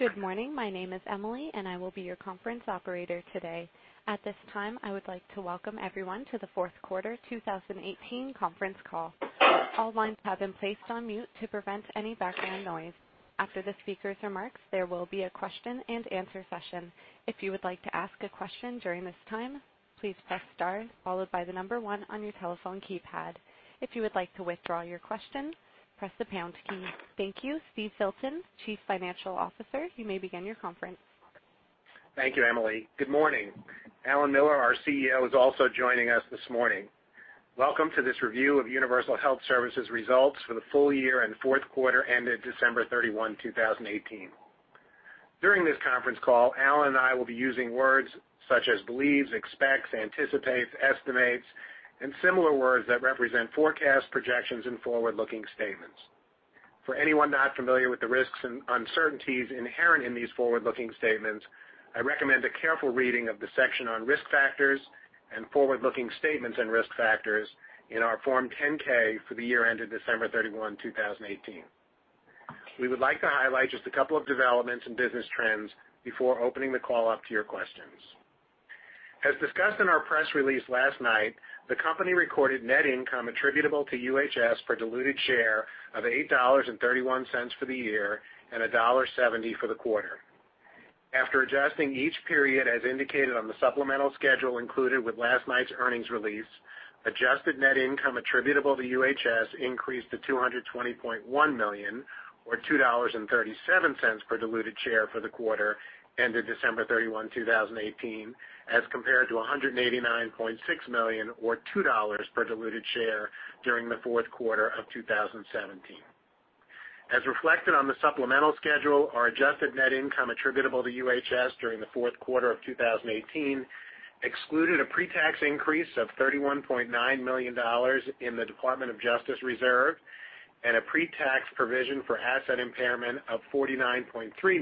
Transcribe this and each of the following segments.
Good morning. My name is Emily, and I will be your conference operator today. At this time, I would like to welcome everyone to the fourth quarter 2018 conference call. All lines have been placed on mute to prevent any background noise. After the speakers' remarks, there will be a question and answer session. If you would like to ask a question during this time, please press star followed by the number 1 on your telephone keypad. If you would like to withdraw your question, press the pound key. Thank you. Steve Filton, Chief Financial Officer, you may begin your conference. Thank you, Emily. Good morning. Alan Miller, our CEO, is also joining us this morning. Welcome to this review of Universal Health Services results for the full year and fourth quarter ended December 31, 2018. During this conference call, Alan and I will be using words such as believes, expects, anticipates, estimates, and similar words that represent forecasts, projections, and forward-looking statements. For anyone not familiar with the risks and uncertainties inherent in these forward-looking statements, I recommend a careful reading of the section on risk factors and forward-looking statements and risk factors in our Form 10-K for the year ended December 31, 2018. We would like to highlight just a couple of developments and business trends before opening the call up to your questions. As discussed in our press release last night, the company recorded net income attributable to UHS for diluted share of $8.31 for the year and $1.70 for the quarter. After adjusting each period as indicated on the supplemental schedule included with last night's earnings release, adjusted net income attributable to UHS increased to $220.1 million, or $2.37 per diluted share for the quarter ended December 31, 2018, as compared to $189.6 million or $2 per diluted share during the fourth quarter of 2017. As reflected on the supplemental schedule, our adjusted net income attributable to UHS during the fourth quarter of 2018 excluded a pre-tax increase of $31.9 million in the Department of Justice reserve and a pre-tax provision for asset impairment of $49.3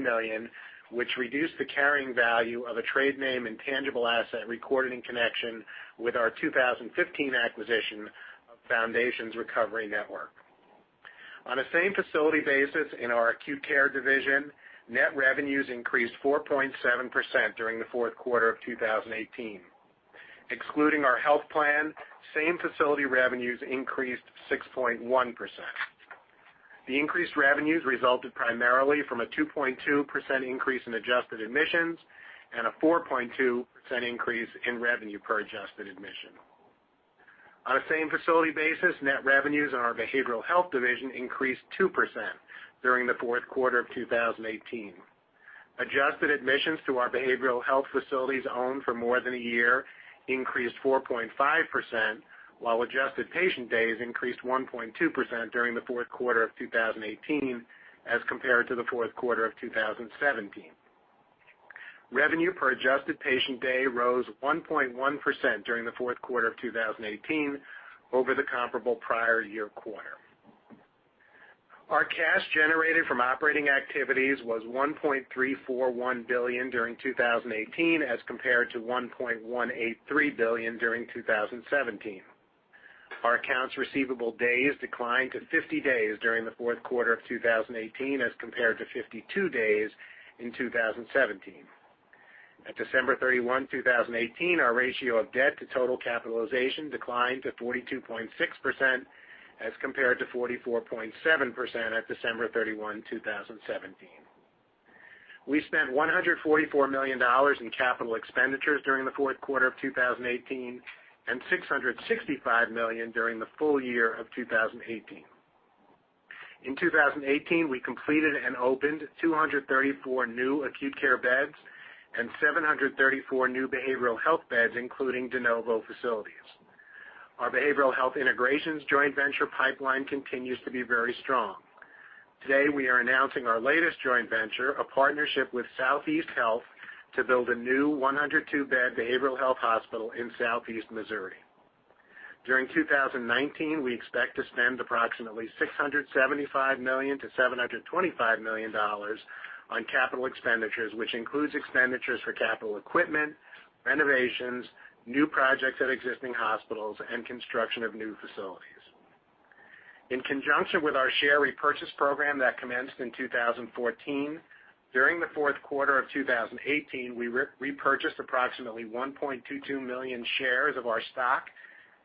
million, which reduced the carrying value of a trade name and tangible asset recorded in connection with our 2015 acquisition of Foundations Recovery Network. On a same-facility basis in our acute care division, net revenues increased 4.7% during the fourth quarter of 2018. Excluding our health plan, same-facility revenues increased 6.1%. The increased revenues resulted primarily from a 2.2% increase in adjusted admissions and a 4.2% increase in revenue per adjusted admission. On a same-facility basis, net revenues in our behavioral health division increased 2% during the fourth quarter of 2018. Adjusted admissions to our behavioral health facilities owned for more than a year increased 4.5%, while adjusted patient days increased 1.2% during the fourth quarter of 2018 as compared to the fourth quarter of 2017. Revenue per adjusted patient day rose 1.1% during the fourth quarter of 2018 over the comparable prior year quarter. Our cash generated from operating activities was $1.341 billion during 2018 as compared to $1.183 billion during 2017. Our accounts receivable days declined to 50 days during the fourth quarter of 2018 as compared to 52 days in 2017. At December 31, 2018, our ratio of debt to total capitalization declined to 42.6% as compared to 44.7% at December 31, 2017. We spent $144 million in capital expenditures during the fourth quarter of 2018 and $665 million during the full year of 2018. In 2018, we completed and opened 234 new acute care beds and 734 new behavioral health beds, including de novo facilities. Our behavioral health integrations joint venture pipeline continues to be very strong. Today, we are announcing our latest joint venture, a partnership with SoutheastHealth to build a new 102-bed behavioral health hospital in Southeast Missouri. During 2019, we expect to spend approximately $675 million-$725 million on capital expenditures, which includes expenditures for capital equipment, renovations, new projects at existing hospitals, and construction of new facilities. In conjunction with our share repurchase program that commenced in 2014, during the fourth quarter of 2018, we repurchased approximately 1.22 million shares of our stock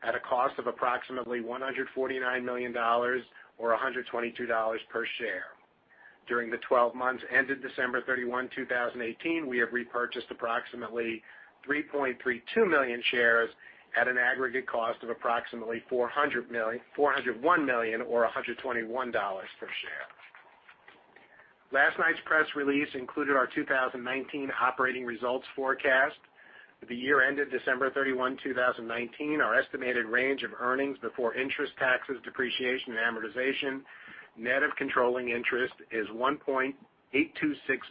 at a cost of approximately $149 million or $122 per share. During the 12 months ended December 31, 2018, we have repurchased approximately 3.32 million shares at an aggregate cost of approximately $401 million or $121 per share. Last night's press release included our 2019 operating results forecast. For the year ended December 31, 2019, our estimated range of Earnings Before Interest, Taxes, Depreciation, and Amortization, net of controlling interest, is $1.826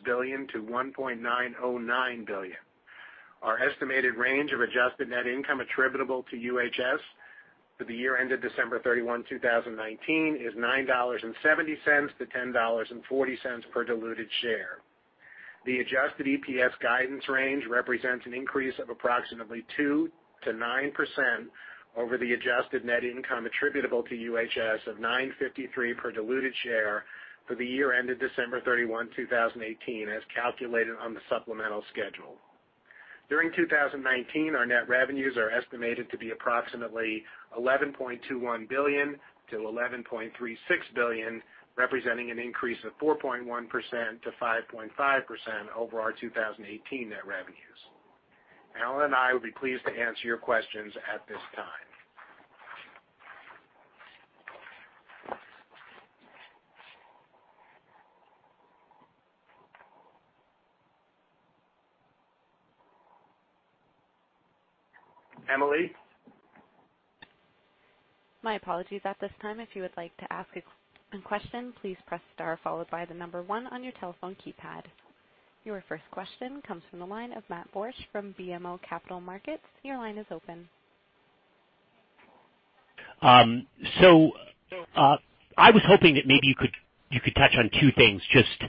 billion-$1.909 billion. Our estimated range of adjusted net income attributable to UHS for the year ended December 31, 2019 is $9.70-$10.40 per diluted share. The adjusted EPS guidance range represents an increase of approximately 2%-9% over the adjusted net income attributable to UHS of $9.53 per diluted share for the year ended December 31, 2018, as calculated on the supplemental schedule. During 2019, our net revenues are estimated to be approximately $11.21 billion-$11.36 billion, representing an increase of 4.1%-5.5% over our 2018 net revenues. Alan and I will be pleased to answer your questions at this time. Emily? My apologies. At this time, if you would like to ask a question, please press star followed by the number one on your telephone keypad. Your first question comes from the line of Matt Borsch from BMO Capital Markets. Your line is open. I was hoping that maybe you could touch on two things, just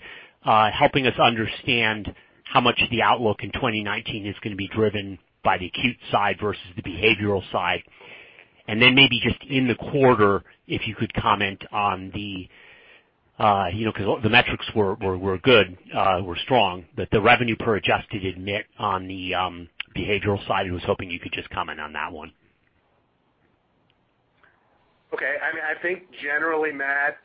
helping us understand how much of the outlook in 2019 is going to be driven by the acute side versus the behavioral side. Maybe just in the quarter, if you could comment on the because the metrics were good, were strong, but the revenue per adjusted admit on the behavioral side, I was hoping you could just comment on that one. Okay. I think generally, Matt,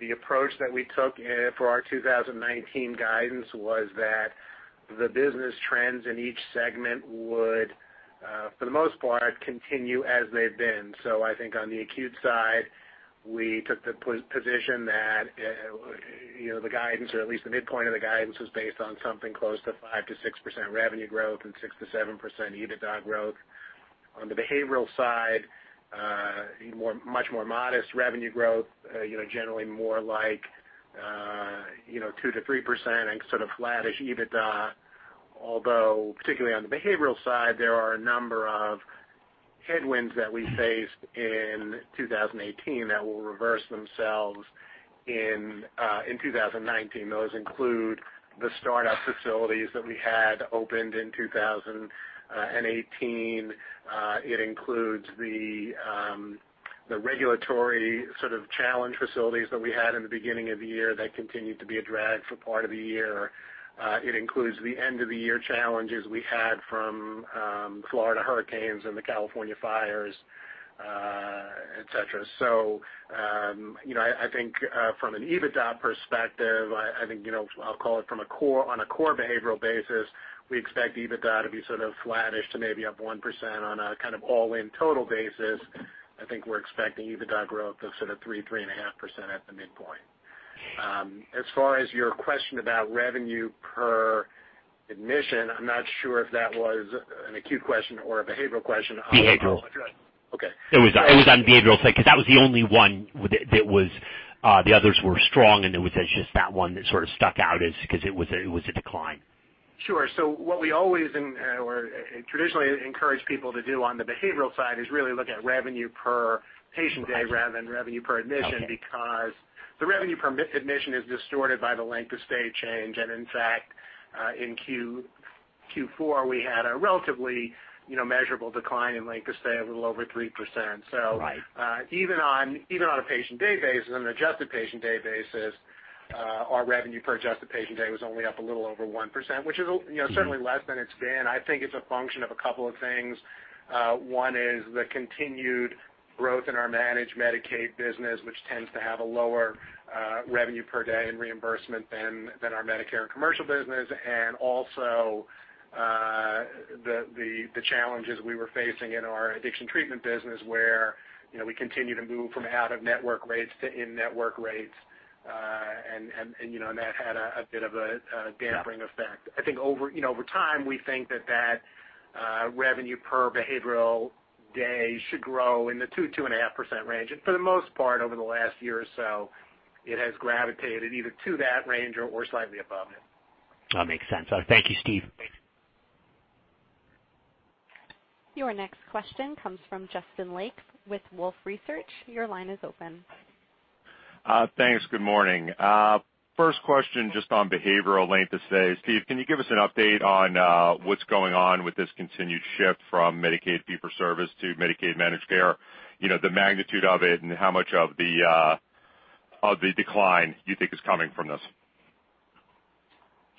the approach that we took for our 2019 guidance was that the business trends in each segment would, for the most part, continue as they've been. I think on the acute side, we took the position that the guidance, or at least the midpoint of the guidance, was based on something close to 5%-6% revenue growth and 6%-7% EBITDA growth. On the behavioral side, much more modest revenue growth, generally more like 2%-3% and sort of flattish EBITDA, although particularly on the behavioral side, there are a number of headwinds that we faced in 2018 that will reverse themselves in 2019. Those include the startup facilities that we had opened in 2018. It includes the regulatory sort of challenge facilities that we had in the beginning of the year that continued to be a drag for part of the year. It includes the end-of-the-year challenges we had from Florida hurricanes and the California fires, et cetera. I think from an EBITDA perspective, I'll call it on a core behavioral basis, we expect EBITDA to be sort of flattish to maybe up 1% on a kind of all-in total basis. I think we're expecting EBITDA growth of sort of 3%-3.5% at the midpoint. As far as your question about revenue per admission, I'm not sure if that was an acute question or a behavioral question. Behavioral. Okay. It was on the behavioral side, because that was the only one that the others were strong, and it was just that one that sort of stuck out because it was a decline. Sure. What we traditionally encourage people to do on the behavioral side is really look at revenue per patient day rather than revenue per admission, because the revenue per admission is distorted by the length of stay change. In fact, in Q4, we had a relatively measurable decline in length of stay, a little over 3%. Right. Even on an adjusted patient day basis, our revenue per adjusted patient day was only up a little over 1%, which is certainly less than it's been. I think it's a function of a couple of things. One is the continued growth in our managed Medicaid business, which tends to have a lower revenue per day in reimbursement than our Medicare commercial business, and also the challenges we were facing in our addiction treatment business, where we continue to move from out-of-network rates to in-network rates, and that had a bit of a dampening effect. I think over time, we think that that revenue per behavioral day should grow in the 2%-2.5% range. For the most part, over the last year or so, it has gravitated either to that range or slightly above it. That makes sense. Thank you, Steve. Thanks. Your next question comes from Justin Lake with Wolfe Research. Your line is open. Thanks. Good morning. First question, just on behavioral length of stays. Steve, can you give us an update on what's going on with this continued shift from Medicaid fee-for-service to Medicaid managed care? The magnitude of it and how much of the decline you think is coming from this?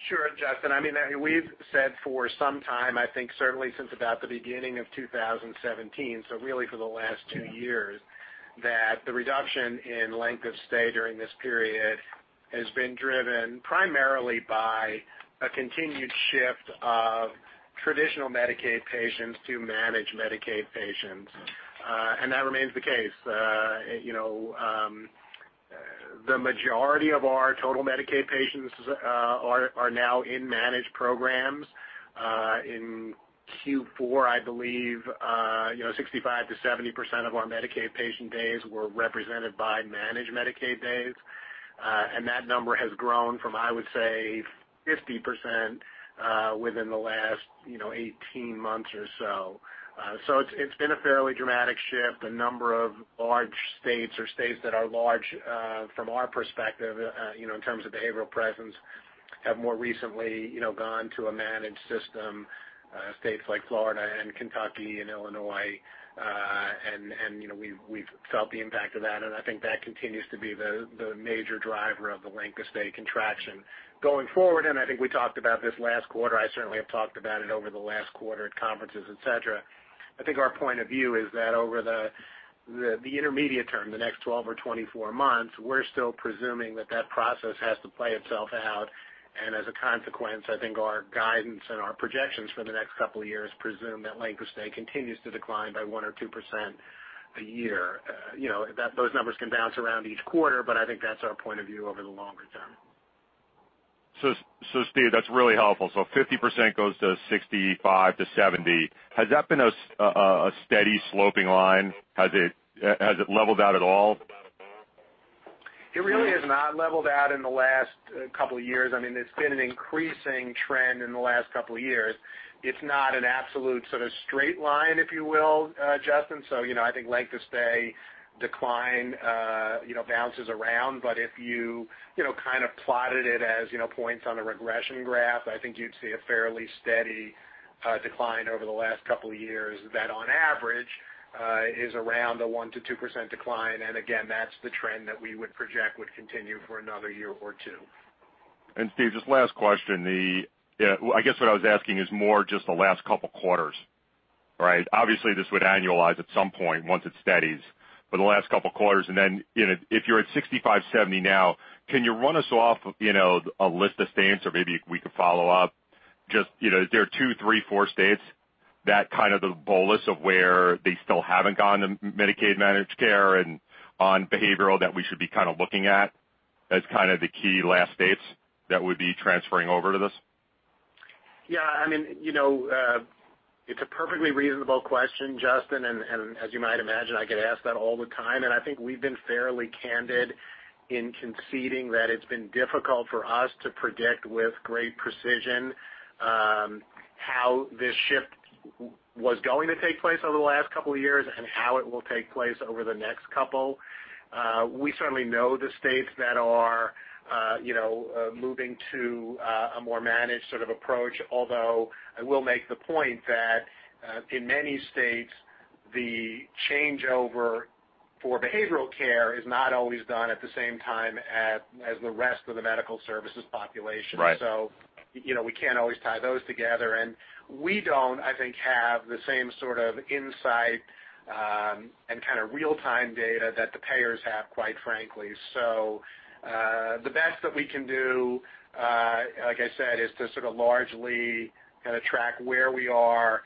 Sure, Justin. We've said for some time, I think certainly since about the beginning of 2017, really for the last two years, that the reduction in length of stay during this period has been driven primarily by a continued shift of traditional Medicaid patients to managed Medicaid patients. That remains the case. The majority of our total Medicaid patients are now in managed programs. In Q4, I believe 65%-70% of our Medicaid patient days were represented by managed Medicaid days. That number has grown from, I would say, 50% within the last 18 months or so. It's been a fairly dramatic shift. A number of large states or states that are large from our perspective in terms of behavioral presence have more recently gone to a managed system, states like Florida and Kentucky and Illinois, and we've felt the impact of that. I think that continues to be the major driver of the length of stay contraction. Going forward, and I think we talked about this last quarter, I certainly have talked about it over the last quarter at conferences, et cetera. I think our point of view is that over the intermediate term, the next 12 or 24 months, we're still presuming that process has to play itself out. As a consequence, I think our guidance and our projections for the next couple of years presume that length of stay continues to decline by 1% or 2% a year. Those numbers can bounce around each quarter, but I think that's our point of view over the longer term. Steve, that's really helpful. 50% goes to 65%-70%. Has that been a steady sloping line? Has it leveled out at all? It really has not leveled out in the last couple of years. It's been an increasing trend in the last couple of years. It's not an absolute sort of straight line, if you will, Justin. I think length of stay decline bounces around. If you kind of plotted it as points on a regression graph, I think you'd see a fairly steady decline over the last couple of years that on average, is around a 1%-2% decline. Again, that's the trend that we would project would continue for another year or two. Steve, just last question. I guess what I was asking is more just the last couple of quarters, right? Obviously, this would annualize at some point once it steadies, but the last couple of quarters, and then if you're at 65/70 now, can you run us off a list of states or maybe we could follow up? Is there two, three, four states that kind of the bolus of where they still haven't gone to Medicaid managed care and on behavioral that we should be kind of looking at as kind of the key last states that would be transferring over to this? Yeah. It's a perfectly reasonable question, Justin, and as you might imagine, I get asked that all the time. I think we've been fairly candid in conceding that it's been difficult for us to predict with great precision, how this shift was going to take place over the last couple of years and how it will take place over the next couple. We certainly know the states that are moving to a more managed sort of approach. Although, I will make the point that, in many states, the changeover for behavioral care is not always done at the same time as the rest of the medical services population. Right. We can't always tie those together. We don't, I think, have the same sort of insight, and kind of real-time data that the payers have, quite frankly. The best that we can do, like I said, is to sort of largely track where we are.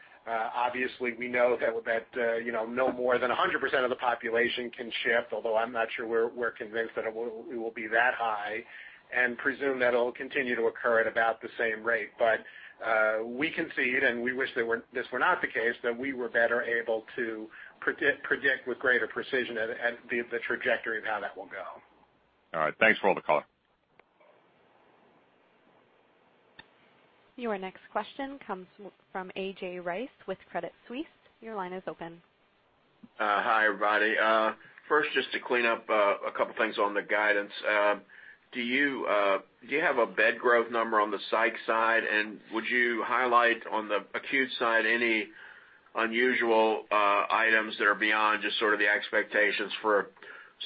Obviously, we know that no more than 100% of the population can shift, although I'm not sure we're convinced that it will be that high, and presume that it'll continue to occur at about the same rate. We concede, and we wish this were not the case, that we were better able to predict with greater precision and the trajectory of how that will go. All right. Thanks for all the color. Your next question comes from A.J. Rice with Credit Suisse. Your line is open. Hi, everybody. First, just to clean up a couple things on the guidance. Do you have a bed growth number on the psych side? Would you highlight on the acute side any unusual items that are beyond just sort of the expectations for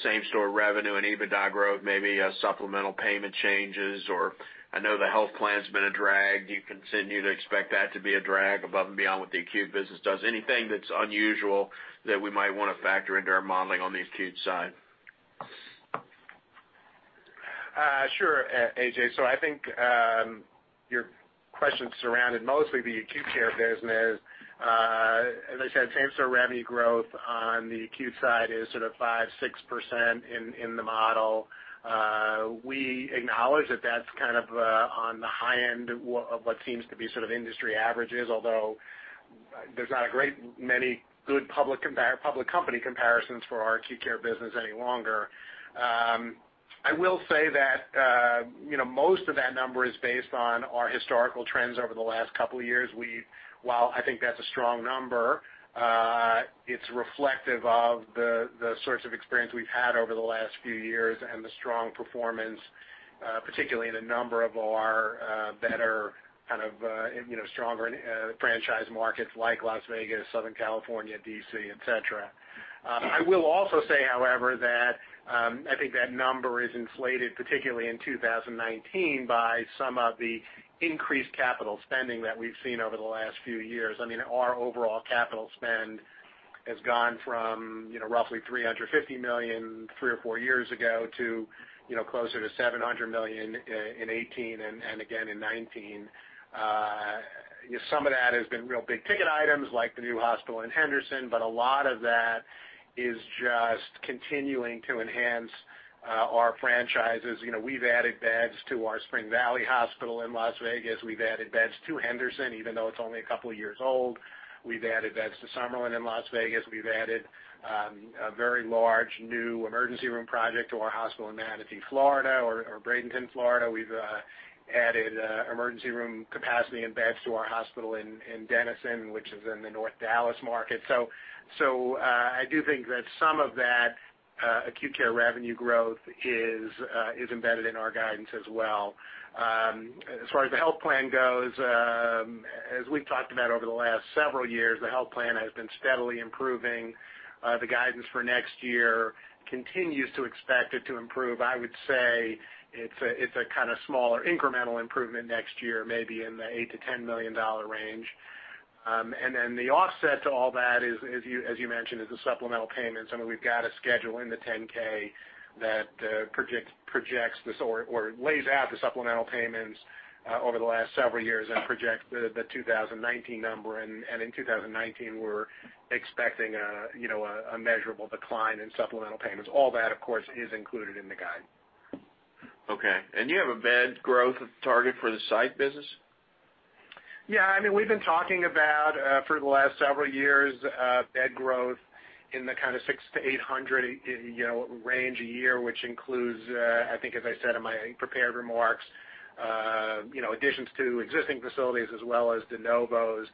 same-store revenue and EBITDA growth, maybe supplemental payment changes or, I know the health plan's been a drag. Do you continue to expect that to be a drag above and beyond what the acute business does? Anything that's unusual that we might want to factor into our modeling on the acute side? Sure, A.J. I think, your question surrounded mostly the acute care business. As I said, same-store revenue growth on the acute side is sort of 5%, 6% in the model. We acknowledge that's kind of on the high end of what seems to be sort of industry averages, although there's not a great many good public company comparisons for our acute care business any longer. I will say that most of that number is based on our historical trends over the last couple of years. While I think that's a strong number, it's reflective of the sorts of experience we've had over the last few years and the strong performance, particularly in a number of our better kind of stronger franchise markets like Las Vegas, Southern California, D.C., et cetera. I will also say, however, that I think that number is inflated, particularly in 2019, by some of the increased capital spending that we've seen over the last few years. Our overall capital spend has gone from roughly $350 million three or four years ago to closer to $700 million in 2018 and again in 2019. Some of that has been real big-ticket items like the new hospital in Henderson, but a lot of that is just continuing to enhance our franchises. We've added beds to our Spring Valley Hospital in Las Vegas. We've added beds to Henderson, even though it's only a couple of years old. We've added beds to Summerlin in Las Vegas. We've added a very large new emergency room project to our hospital in Manatee, Florida, or Bradenton, Florida. I do think that some of that acute care revenue growth is embedded in our guidance as well. As far as the health plan goes, as we've talked about over the last several years, the health plan has been steadily improving. The guidance for next year continues to expect it to improve. I would say it's a kind of smaller incremental improvement next year, maybe in the $8 million-$10 million range. The offset to all that, as you mentioned, is the supplemental payments. I mean, we've got a schedule in the 10-K that projects this or lays out the supplemental payments over the last several years and projects the 2019 number. In 2019, we're expecting a measurable decline in supplemental payments. All that, of course, is included in the guide. Okay. Do you have a bed growth target for the site business? Yeah. We've been talking about, for the last several years, bed growth in the kind of 600 to 800 range a year, which includes, I think, as I said in my prepared remarks, additions to existing facilities as well as de novos.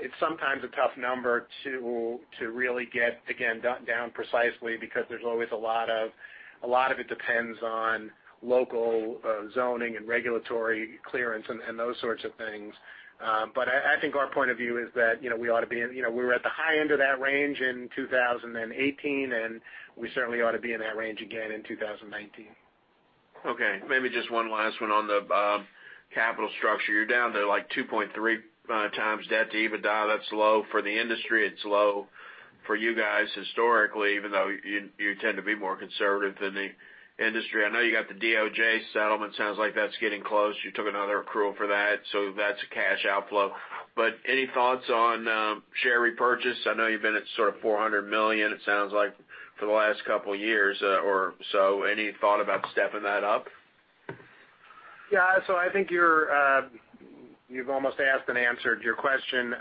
It's sometimes a tough number to really get, again, down precisely because a lot of it depends on local zoning and regulatory clearance and those sorts of things. I think our point of view is that we were at the high end of that range in 2018, and we certainly ought to be in that range again in 2019. Okay, maybe just one last one on the capital structure. You're down to 2.3 times debt to EBITDA. That's low for the industry. It's low for you guys historically, even though you tend to be more conservative than the industry. I know you got the DOJ settlement. Sounds like that's getting close. You took another accrual for that, so that's a cash outflow. Any thoughts on share repurchase? I know you've been at sort of $400 million, it sounds like, for the last couple of years or so. Any thought about stepping that up? Yeah. I think you've almost asked and answered your question.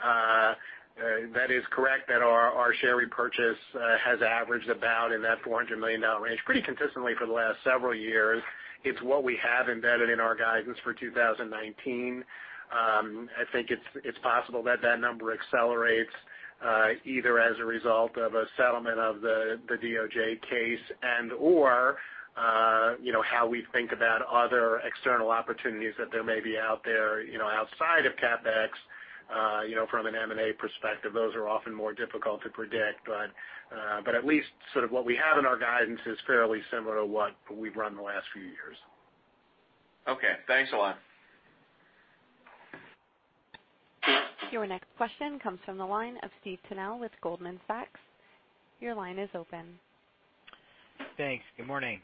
That is correct that our share repurchase has averaged about in that $400 million range pretty consistently for the last several years. It's what we have embedded in our guidance for 2019. I think it's possible that that number accelerates, either as a result of a settlement of the DOJ case and/or how we think about other external opportunities that there may be out there outside of CapEx from an M&A perspective. At least sort of what we have in our guidance is fairly similar to what we've run the last few years. Okay. Thanks a lot. Your next question comes from the line of Steve Tanal with Goldman Sachs. Your line is open. Thanks. Good morning.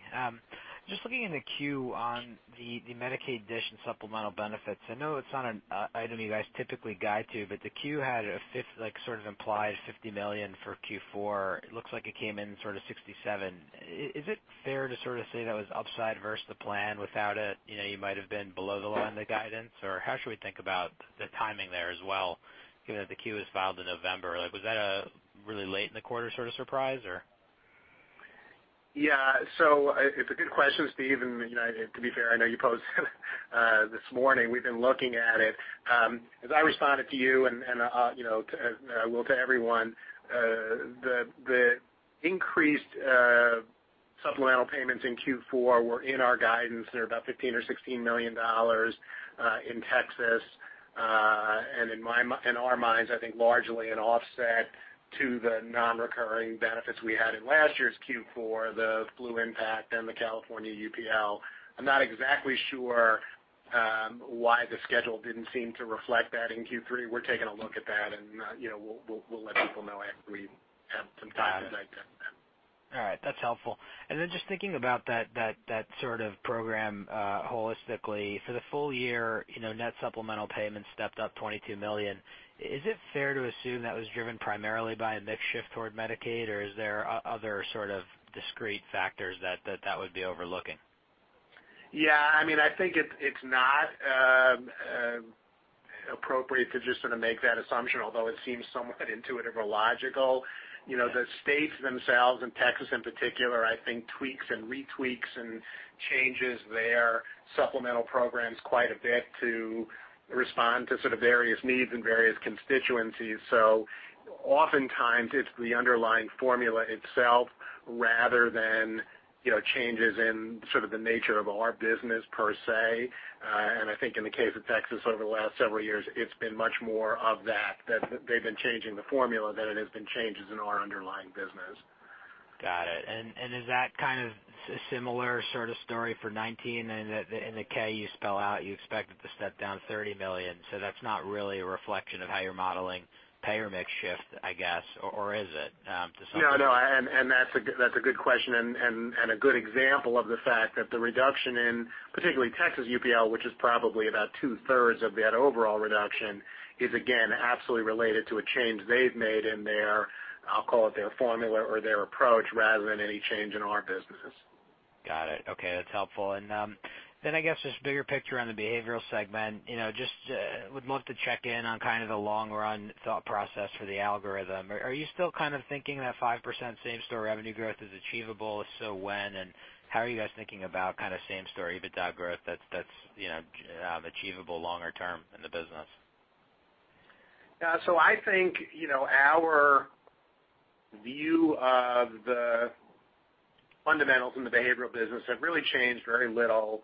Just looking in the Q on the Medicaid DSH and supplemental benefits. I know it's not an item you guys typically guide to, but the Q had a sort of implied $50 million for Q4. It looks like it came in sort of $67 million. Is it fair to sort of say that was upside versus the plan without it? You might have been below the line, the guidance? Or how should we think about the timing there as well, given that the Q was filed in November? Was that a really late in the quarter sort of surprise, or? Yeah. It's a good question, Steve, and to be fair, I know you posed this morning. We've been looking at it. As I responded to you and I will to everyone, the increased supplemental payments in Q4 were in our guidance. They're about $15 or $16 million in Texas. In our minds, I think largely an offset to the non-recurring benefits we had in last year's Q4, the flu impact and the California UPL. I'm not exactly sure why the schedule didn't seem to reflect that in Q3. We're taking a look at that. We'll let people know after we have some time to dig into that. All right, that's helpful. Then just thinking about that sort of program holistically, for the full year, net supplemental payments stepped up $22 million. Is it fair to assume that was driven primarily by a mix shift toward Medicaid, or is there other sort of discrete factors that that would be overlooking? I think it's not appropriate to just sort of make that assumption, although it seems somewhat intuitive or logical. The states themselves, and Texas in particular, I think, tweaks and retweaks and changes their supplemental programs quite a bit to respond to sort of various needs and various constituencies. Oftentimes it's the underlying formula itself rather than changes in sort of the nature of our business per se. I think in the case of Texas over the last several years, it's been much more of that they've been changing the formula than it has been changes in our underlying business. Got it. Is that kind of a similar sort of story for 2019? In the K you spell out, you expect it to step down $30 million. That's not really a reflection of how you're modeling payer mix shift, I guess, or is it to some extent? No, that's a good question and a good example of the fact that the reduction in, particularly Texas UPL, which is probably about two-thirds of that overall reduction, is again, absolutely related to a change they've made in their, I'll call it their formula or their approach, rather than any change in our businesses. Got it. Okay, that's helpful. Then I guess just bigger picture on the Behavioral segment. Just would love to check in on kind of the long-run thought process for the algorithm. Are you still kind of thinking that 5% same-store revenue growth is achievable? If so, when, and how are you guys thinking about kind of same-store EBITDA growth that's achievable longer term in the business? I think, our view of the fundamentals in the behavioral business have really changed very little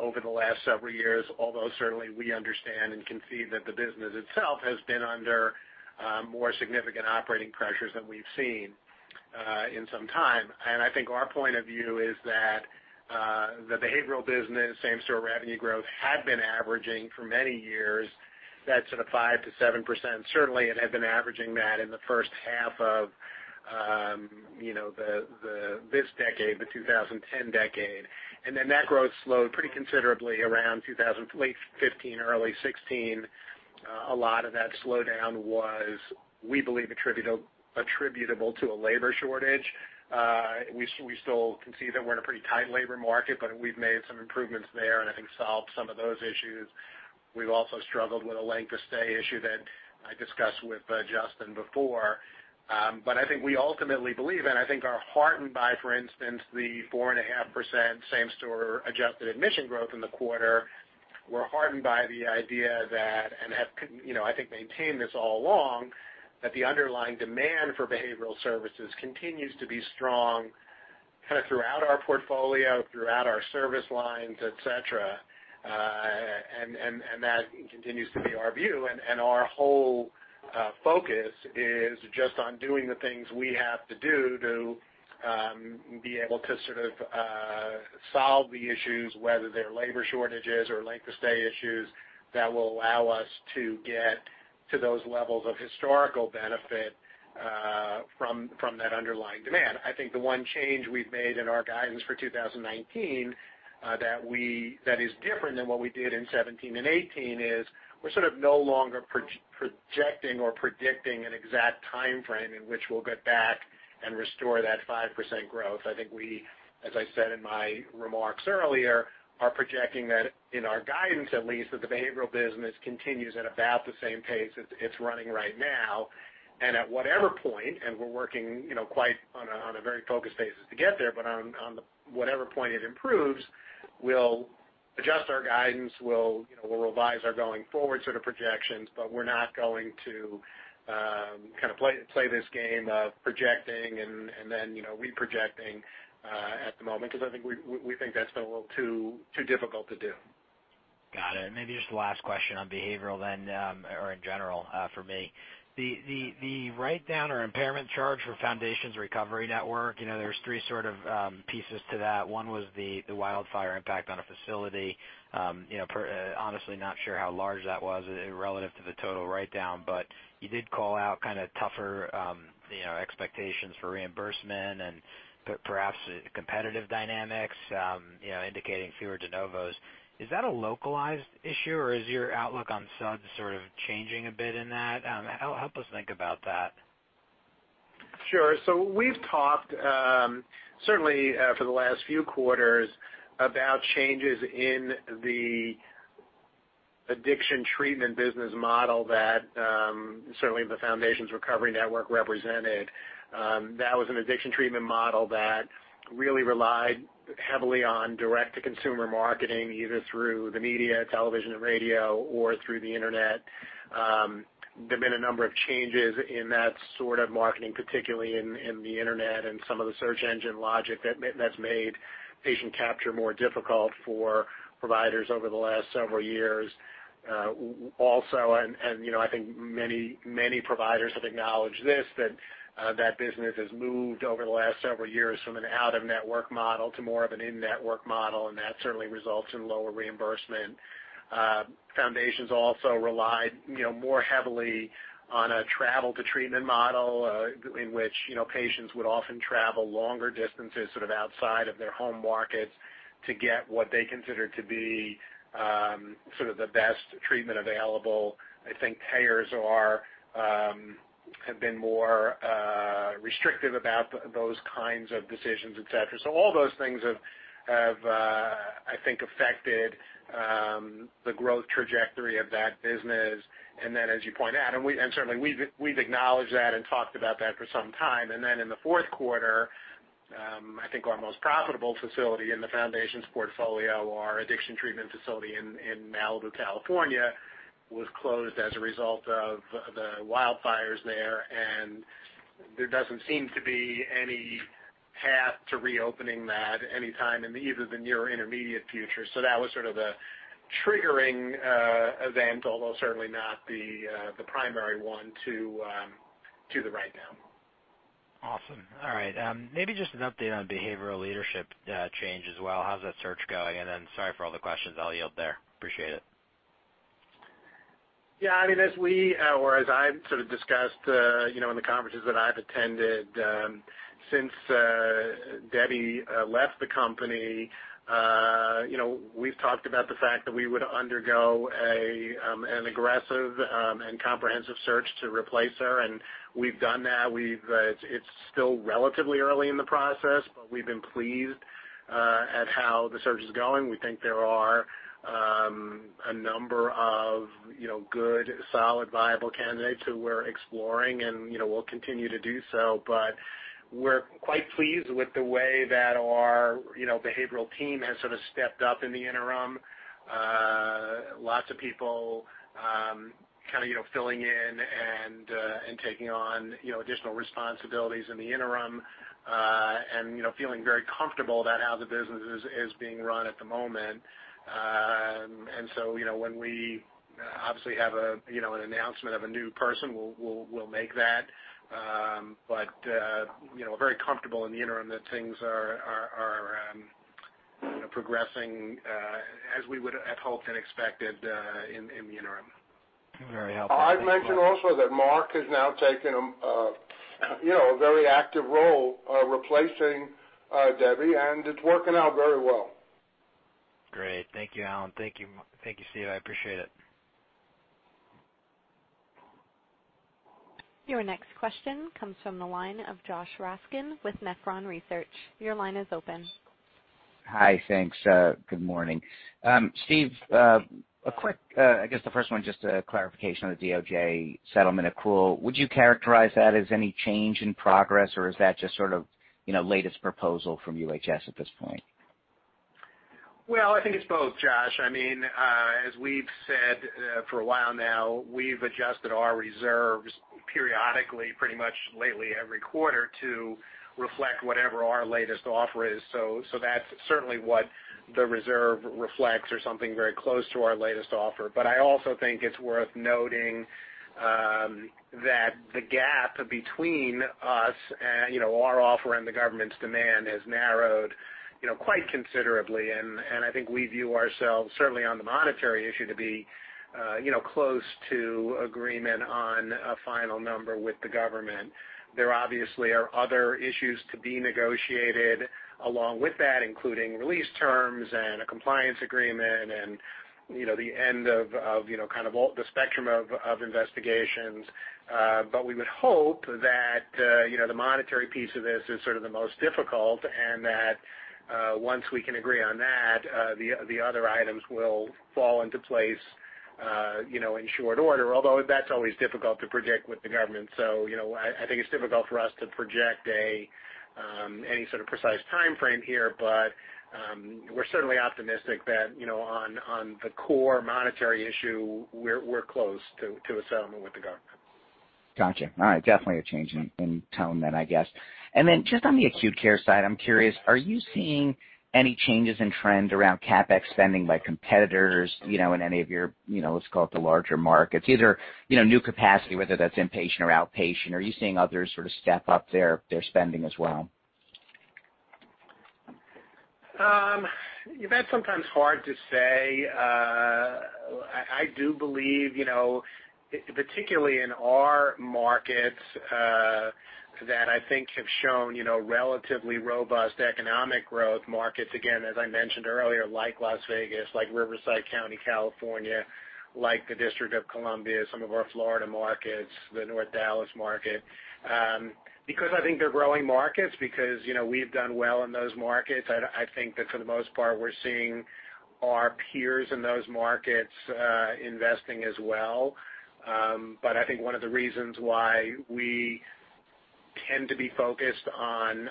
over the last several years, although certainly we understand and can see that the business itself has been under more significant operating pressures than we've seen in some time. I think our point of view is that the behavioral business same-store revenue growth had been averaging for many years that sort of 5%-7%, certainly, and had been averaging that in the first half of this decade, the 2010 decade. That growth slowed pretty considerably around late 2015, early 2016. A lot of that slowdown was, we believe, attributable to a labor shortage. We still can see that we're in a pretty tight labor market, but we've made some improvements there and I think solved some of those issues. We've also struggled with a length of stay issue that I discussed with Justin before. I think we ultimately believe, and I think are heartened by, for instance, the 4.5% same-store adjusted admission growth in the quarter. We're heartened by the idea that, and have, I think maintained this all along, that the underlying demand for behavioral services continues to be strong kind of throughout our portfolio, throughout our service lines, et cetera. That continues to be our view. Our whole focus is just on doing the things we have to do to be able to sort of solve the issues, whether they're labor shortages or length of stay issues, that will allow us to get to those levels of historical benefit from that underlying demand. I think the one change we've made in our guidance for 2019, that is different than what we did in 2017 and 2018, is we're sort of no longer projecting or predicting an exact timeframe in which we'll get back and restore that 5% growth. I think we, as I said in my remarks earlier, are projecting that in our guidance at least, that the behavioral business continues at about the same pace it's running right now. At whatever point, and we're working on a very focused basis to get there, on whatever point it improves, we'll adjust our guidance, we'll revise our going forward sort of projections, but we're not going to kind of play this game of projecting and then re-projecting at the moment, because we think that's been a little too difficult to do. Got it. Maybe just the last question on behavioral then, or in general, for me. The write-down or impairment charge for Foundations Recovery Network, there's three sort of pieces to that. One was the wildfire impact on a facility. Honestly, not sure how large that was relative to the total write-down, but you did call out kind of tougher expectations for reimbursement and perhaps competitive dynamics, indicating fewer de novos. Is that a localized issue, or is your outlook on subs sort of changing a bit in that? Help us think about that. Sure. We've talked, certainly for the last few quarters, about changes in the addiction treatment business model that certainly the Foundations Recovery Network represented. That was an addiction treatment model that really relied heavily on direct-to-consumer marketing, either through the media, television, and radio, or through the internet. There've been a number of changes in that sort of marketing, particularly in the internet and some of the search engine logic that's made patient capture more difficult for providers over the last several years. Also, and I think many providers have acknowledged this, that that business has moved over the last several years from an out-of-network model to more of an in-network model, and that certainly results in lower reimbursement. Foundations also relied more heavily on a travel-to-treatment model, in which patients would often travel longer distances, sort of outside of their home markets, to get what they consider to be sort of the best treatment available. I think payers have been more restrictive about those kinds of decisions, et cetera. All those things have, I think, affected the growth trajectory of that business. As you point out, and certainly we've acknowledged that and talked about that for some time. In the fourth quarter, I think our most profitable facility in the Foundations portfolio, our addiction treatment facility in Malibu, California, was closed as a result of the wildfires there, and there doesn't seem to be any path to reopening that anytime in either the near or intermediate future. That was sort of a triggering event, although certainly not the primary one to the write-down. Awesome. All right. Maybe just an update on behavioral leadership change as well. How's that search going? Sorry for all the questions. I'll yield there. Appreciate it. Yeah, as we, or as I've sort of discussed in the conferences that I've attended, since Debbie left the company. We've talked about the fact that we would undergo an aggressive and comprehensive search to replace her, and we've done that. It's still relatively early in the process, but we've been pleased at how the search is going. We think there are a number of good, solid, viable candidates who we're exploring, and we'll continue to do so. We're quite pleased with the way that our behavioral team has sort of stepped up in the interim. Lots of people filling in and taking on additional responsibilities in the interim, and feeling very comfortable about how the business is being run at the moment. So, when we obviously have an announcement of a new person, we'll make that. Very comfortable in the interim that things are progressing as we would have hoped and expected in the interim. Very helpful. Thank you. I'd mention also that Marc has now taken a very active role replacing Debbie, and it's working out very well. Great. Thank you, Alan. Thank you, Steve. I appreciate it. Your next question comes from the line of Josh Raskin with Nephron Research. Your line is open. Hi. Thanks. Good morning. Steve, a quick, I guess the first one, just a clarification on the DOJ settlement accrual. Would you characterize that as any change in progress, or is that just sort of latest proposal from UHS at this point? Well, I think it's both, Josh. As we've said for a while now, we've adjusted our reserves periodically, pretty much lately every quarter, to reflect whatever our latest offer is. That's certainly what the reserve reflects or something very close to our latest offer. I also think it's worth noting that the gap between us, our offer and the government's demand has narrowed quite considerably, and I think we view ourselves, certainly on the monetary issue, to be close to agreement on a final number with the government. There obviously are other issues to be negotiated along with that, including release terms and a compliance agreement and the end of kind of all the spectrum of investigations. We would hope that the monetary piece of this is sort of the most difficult, that once we can agree on that, the other items will fall into place in short order, although that's always difficult to predict with the government. I think it's difficult for us to project any sort of precise timeframe here. We're certainly optimistic that on the core monetary issue, we're close to a settlement with the government. Got you. All right. Definitely a change in tone then, I guess. Just on the acute care side, I'm curious, are you seeing any changes in trend around CapEx spending by competitors, in any of your let's call it the larger markets, either new capacity, whether that's inpatient or outpatient, are you seeing others sort of step up their spending as well? That's sometimes hard to say. I do believe, particularly in our markets, that I think have shown relatively robust economic growth markets, again, as I mentioned earlier, like Las Vegas, like Riverside County, California, like the District of Columbia, some of our Florida markets, the North Dallas market. I think they're growing markets, because we've done well in those markets, I think that for the most part, we're seeing our peers in those markets investing as well. I think one of the reasons why we tend to be focused on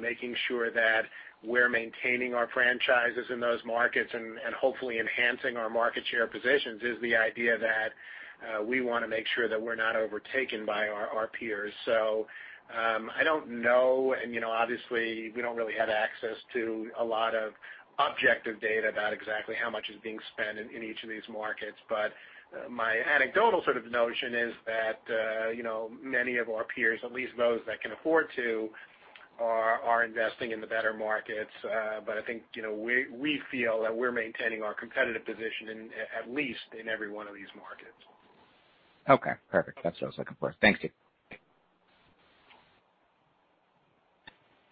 making sure that we're maintaining our franchises in those markets and hopefully enhancing our market share positions is the idea that we want to make sure that we're not overtaken by our peers. I don't know, and obviously, we don't really have access to a lot of objective data about exactly how much is being spent in each of these markets. My anecdotal sort of notion is that many of our peers, at least those that can afford to, are investing in the better markets. I think, we feel that we're maintaining our competitive position at least in every one of these markets. Okay, perfect. That's what I was looking for. Thanks, Steve.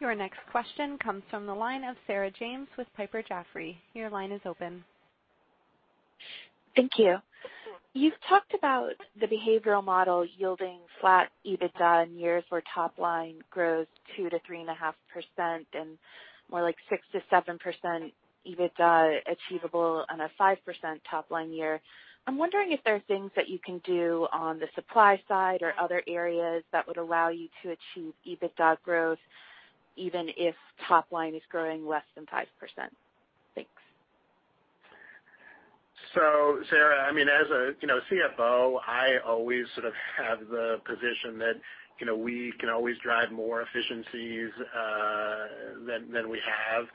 Your next question comes from the line of Sarah James with Piper Jaffray. Your line is open. Thank you. You've talked about the behavioral model yielding flat EBITDA in years where top line grows 2%-3.5% and more like 6%-7% EBITDA achievable on a 5% top line year. I'm wondering if there are things that you can do on the supply side or other areas that would allow you to achieve EBITDA growth even if top line is growing less than 5%. Thanks. Sarah, as a CFO, I always sort of have the position that we can always drive more efficiencies than we have.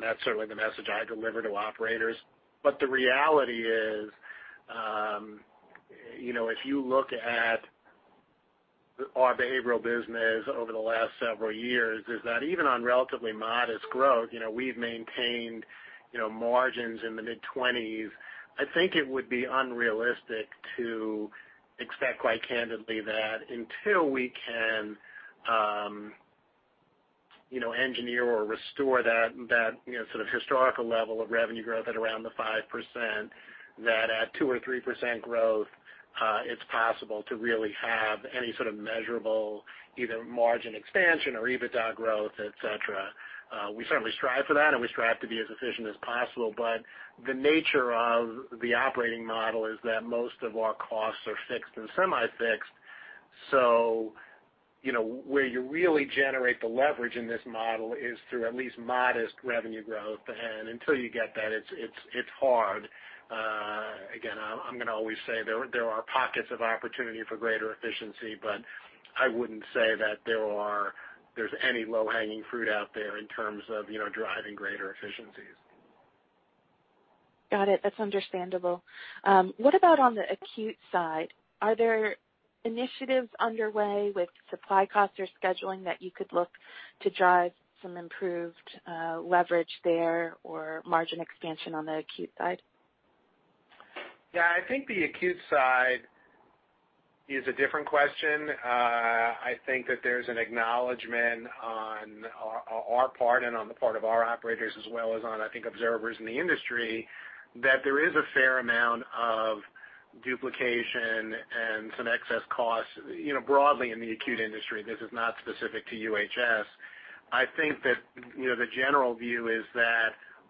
That's certainly the message I deliver to operators. The reality is, if you look at our behavioral business over the last several years, is that even on relatively modest growth, we've maintained margins in the mid-20s. I think it would be unrealistic to expect, quite candidly, that until we can engineer or restore that historical level of revenue growth at around the 5%, that at 2% or 3% growth, it's possible to really have any sort of measurable either margin expansion or EBITDA growth, et cetera. We certainly strive for that, and we strive to be as efficient as possible, the nature of the operating model is that most of our costs are fixed and semi-fixed. Where you really generate the leverage in this model is through at least modest revenue growth. Until you get that, it's hard. I am going to always say there are pockets of opportunity for greater efficiency, but I wouldn't say that there's any low-hanging fruit out there in terms of driving greater efficiencies. Got it. That's understandable. What about on the acute side? Are there initiatives underway with supply costs or scheduling that you could look to drive some improved leverage there, or margin expansion on the acute side? I think the acute side is a different question. I think that there's an acknowledgement on our part and on the part of our operators as well as on, I think, observers in the industry, that there is a fair amount of duplication and some excess costs, broadly in the acute industry. This is not specific to UHS. I think that the general view is that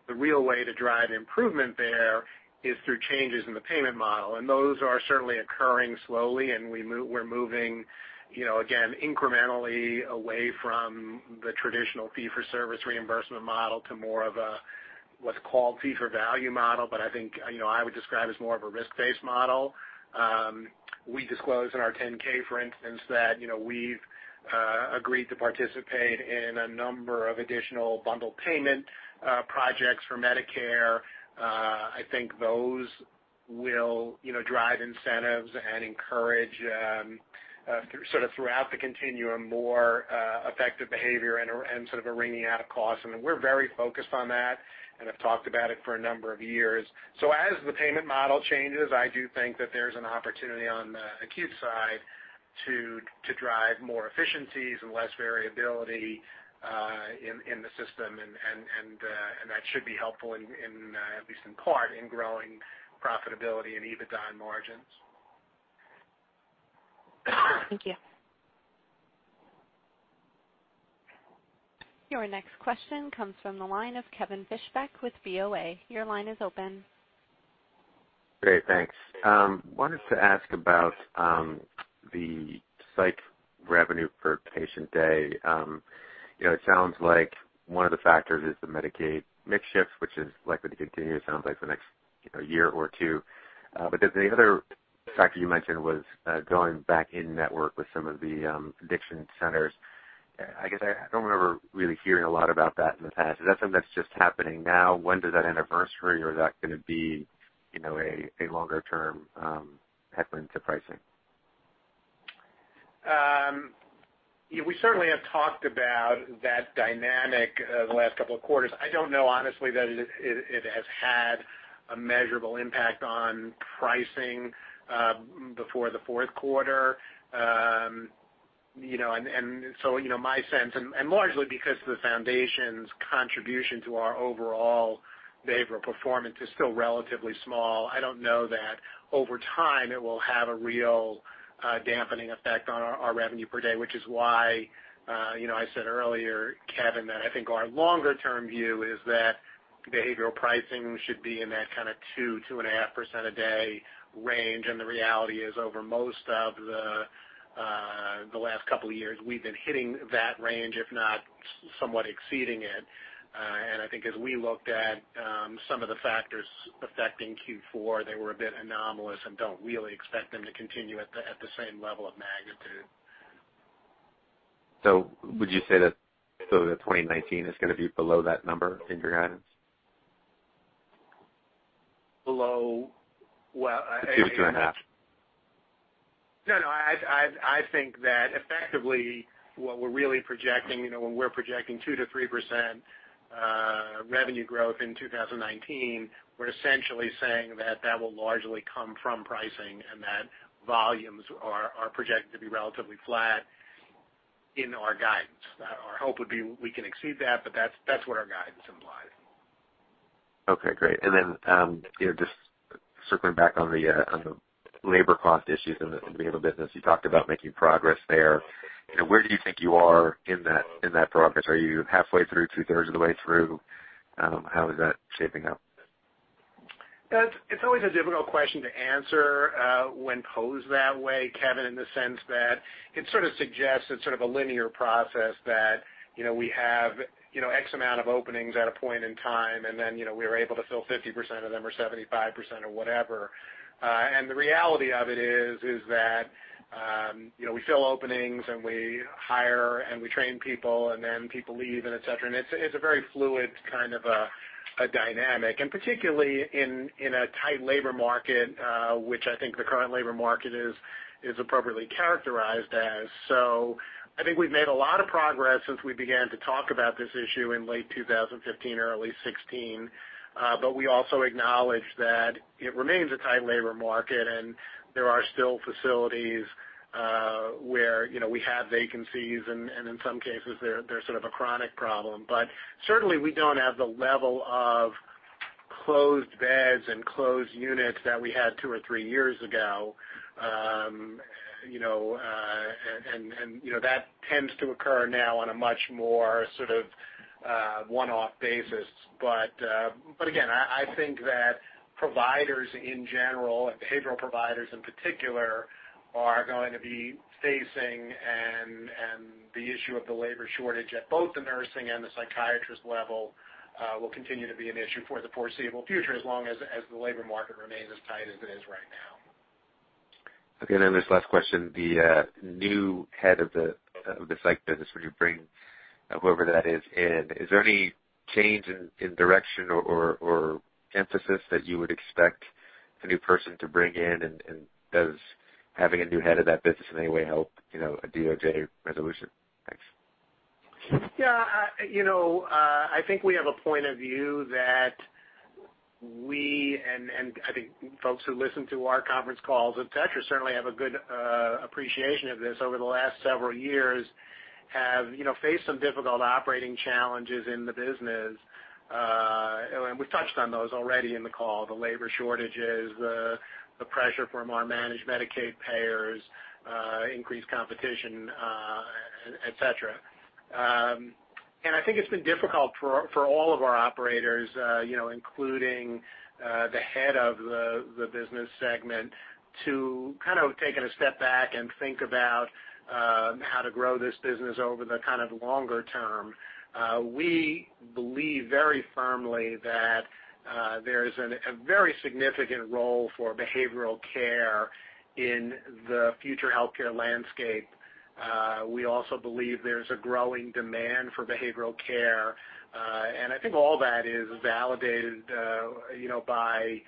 the real way to drive improvement there is through changes in the payment model, and those are certainly occurring slowly, and we're moving, again, incrementally away from the traditional fee-for-service reimbursement model to more of a, what's called fee-for-value model. I think, I would describe as more of a risk-based model. We disclose in our 10-K, for instance, that we've agreed to participate in a number of additional bundled payment projects for Medicare. I think those will drive incentives and encourage, throughout the continuum, more effective behavior and a wringing out of costs. I mean, we're very focused on that and have talked about it for a number of years. As the payment model changes, I do think that there's an opportunity on the acute side to drive more efficiencies and less variability, in the system and that should be helpful, at least in part, in growing profitability and EBITDA margins. Thank you. Your next question comes from the line of Kevin Fischbeck with BofA. Your line is open. Great. Thanks. Wanted to ask about the psych revenue per patient day. It sounds like one of the factors is the Medicaid mix shift, which is likely to continue, it sounds like, for the next year or two. The other factor you mentioned was going back in-network with some of the addiction centers. I guess I don't remember really hearing a lot about that in the past. Is that something that's just happening now? When does that anniversary, or is that going to be a longer-term headwind to pricing? We certainly have talked about that dynamic the last couple of quarters. I don't know honestly that it has had a measurable impact on pricing before the fourth quarter. Largely because the Foundations' contribution to our overall behavioral performance is still relatively small, I don't know that over time it will have a real dampening effect on our revenue per day, which is why, I said earlier, Kevin, that I think our longer-term view is that behavioral pricing should be in that kind of 2%-2.5% a day range, and the reality is, over most of the last couple of years, we've been hitting that range, if not somewhat exceeding it. I think as we looked at some of the factors affecting Q4, they were a bit anomalous and don't really expect them to continue at the same level of magnitude. Would you say that 2019 is going to be below that number in your guidance? Below what? Two, two and a half. No, I think that effectively, what we're really projecting, when we're projecting 2%-3% revenue growth in 2019, we're essentially saying that that will largely come from pricing and that volumes are projected to be relatively flat in our guidance. Our hope would be we can exceed that, but that's what our guidance implies. Okay, great. Just circling back on the labor cost issues in the behavioral business, you talked about making progress there. Where do you think you are in that progress? Are you halfway through, two-thirds of the way through? How is that shaping up? It's always a difficult question to answer when posed that way, Kevin, in the sense that it sort of suggests it's sort of a linear process that we have X amount of openings at a point in time, then we were able to fill 50% of them or 75% or whatever. The reality of it is that we fill openings and we hire, and we train people, then people leave and et cetera, and it's a very fluid kind of a dynamic, and particularly in a tight labor market, which I think the current labor market is appropriately characterized as. I think we've made a lot of progress since we began to talk about this issue in late 2015, early 2016. We also acknowledge that it remains a tight labor market, and there are still facilities where we have vacancies and in some cases, they're sort of a chronic problem. Certainly, we don't have the level of closed beds and closed units that we had two or three years ago. That tends to occur now on a much more sort of one-off basis. Again, I think that providers in general, and behavioral providers in particular, are going to be facing, and the issue of the labor shortage at both the nursing and the psychiatrist level will continue to be an issue for the foreseeable future as long as the labor market remains as tight as it is right now. Okay, this last question, the new head of the psych business, when you bring whoever that is in, is there any change in direction or emphasis that you would expect the new person to bring in? Does having a new head of that business in any way help, a DOJ resolution? Thanks. Yeah. I think we have a point of view that we, and I think folks who listen to our conference calls, etc., certainly have a good appreciation of this, over the last several years have faced some difficult operating challenges in the business. We've touched on those already in the call, the labor shortages, the pressure from our managed Medicaid payers, increased competition, et cetera. I think it's been difficult for all of our operators, including the head of the business segment, to kind of taken a step back and think about how to grow this business over the kind of longer term. We believe very firmly that there is a very significant role for behavioral care in the future healthcare landscape. We also believe there's a growing demand for behavioral care. I think all that is validated by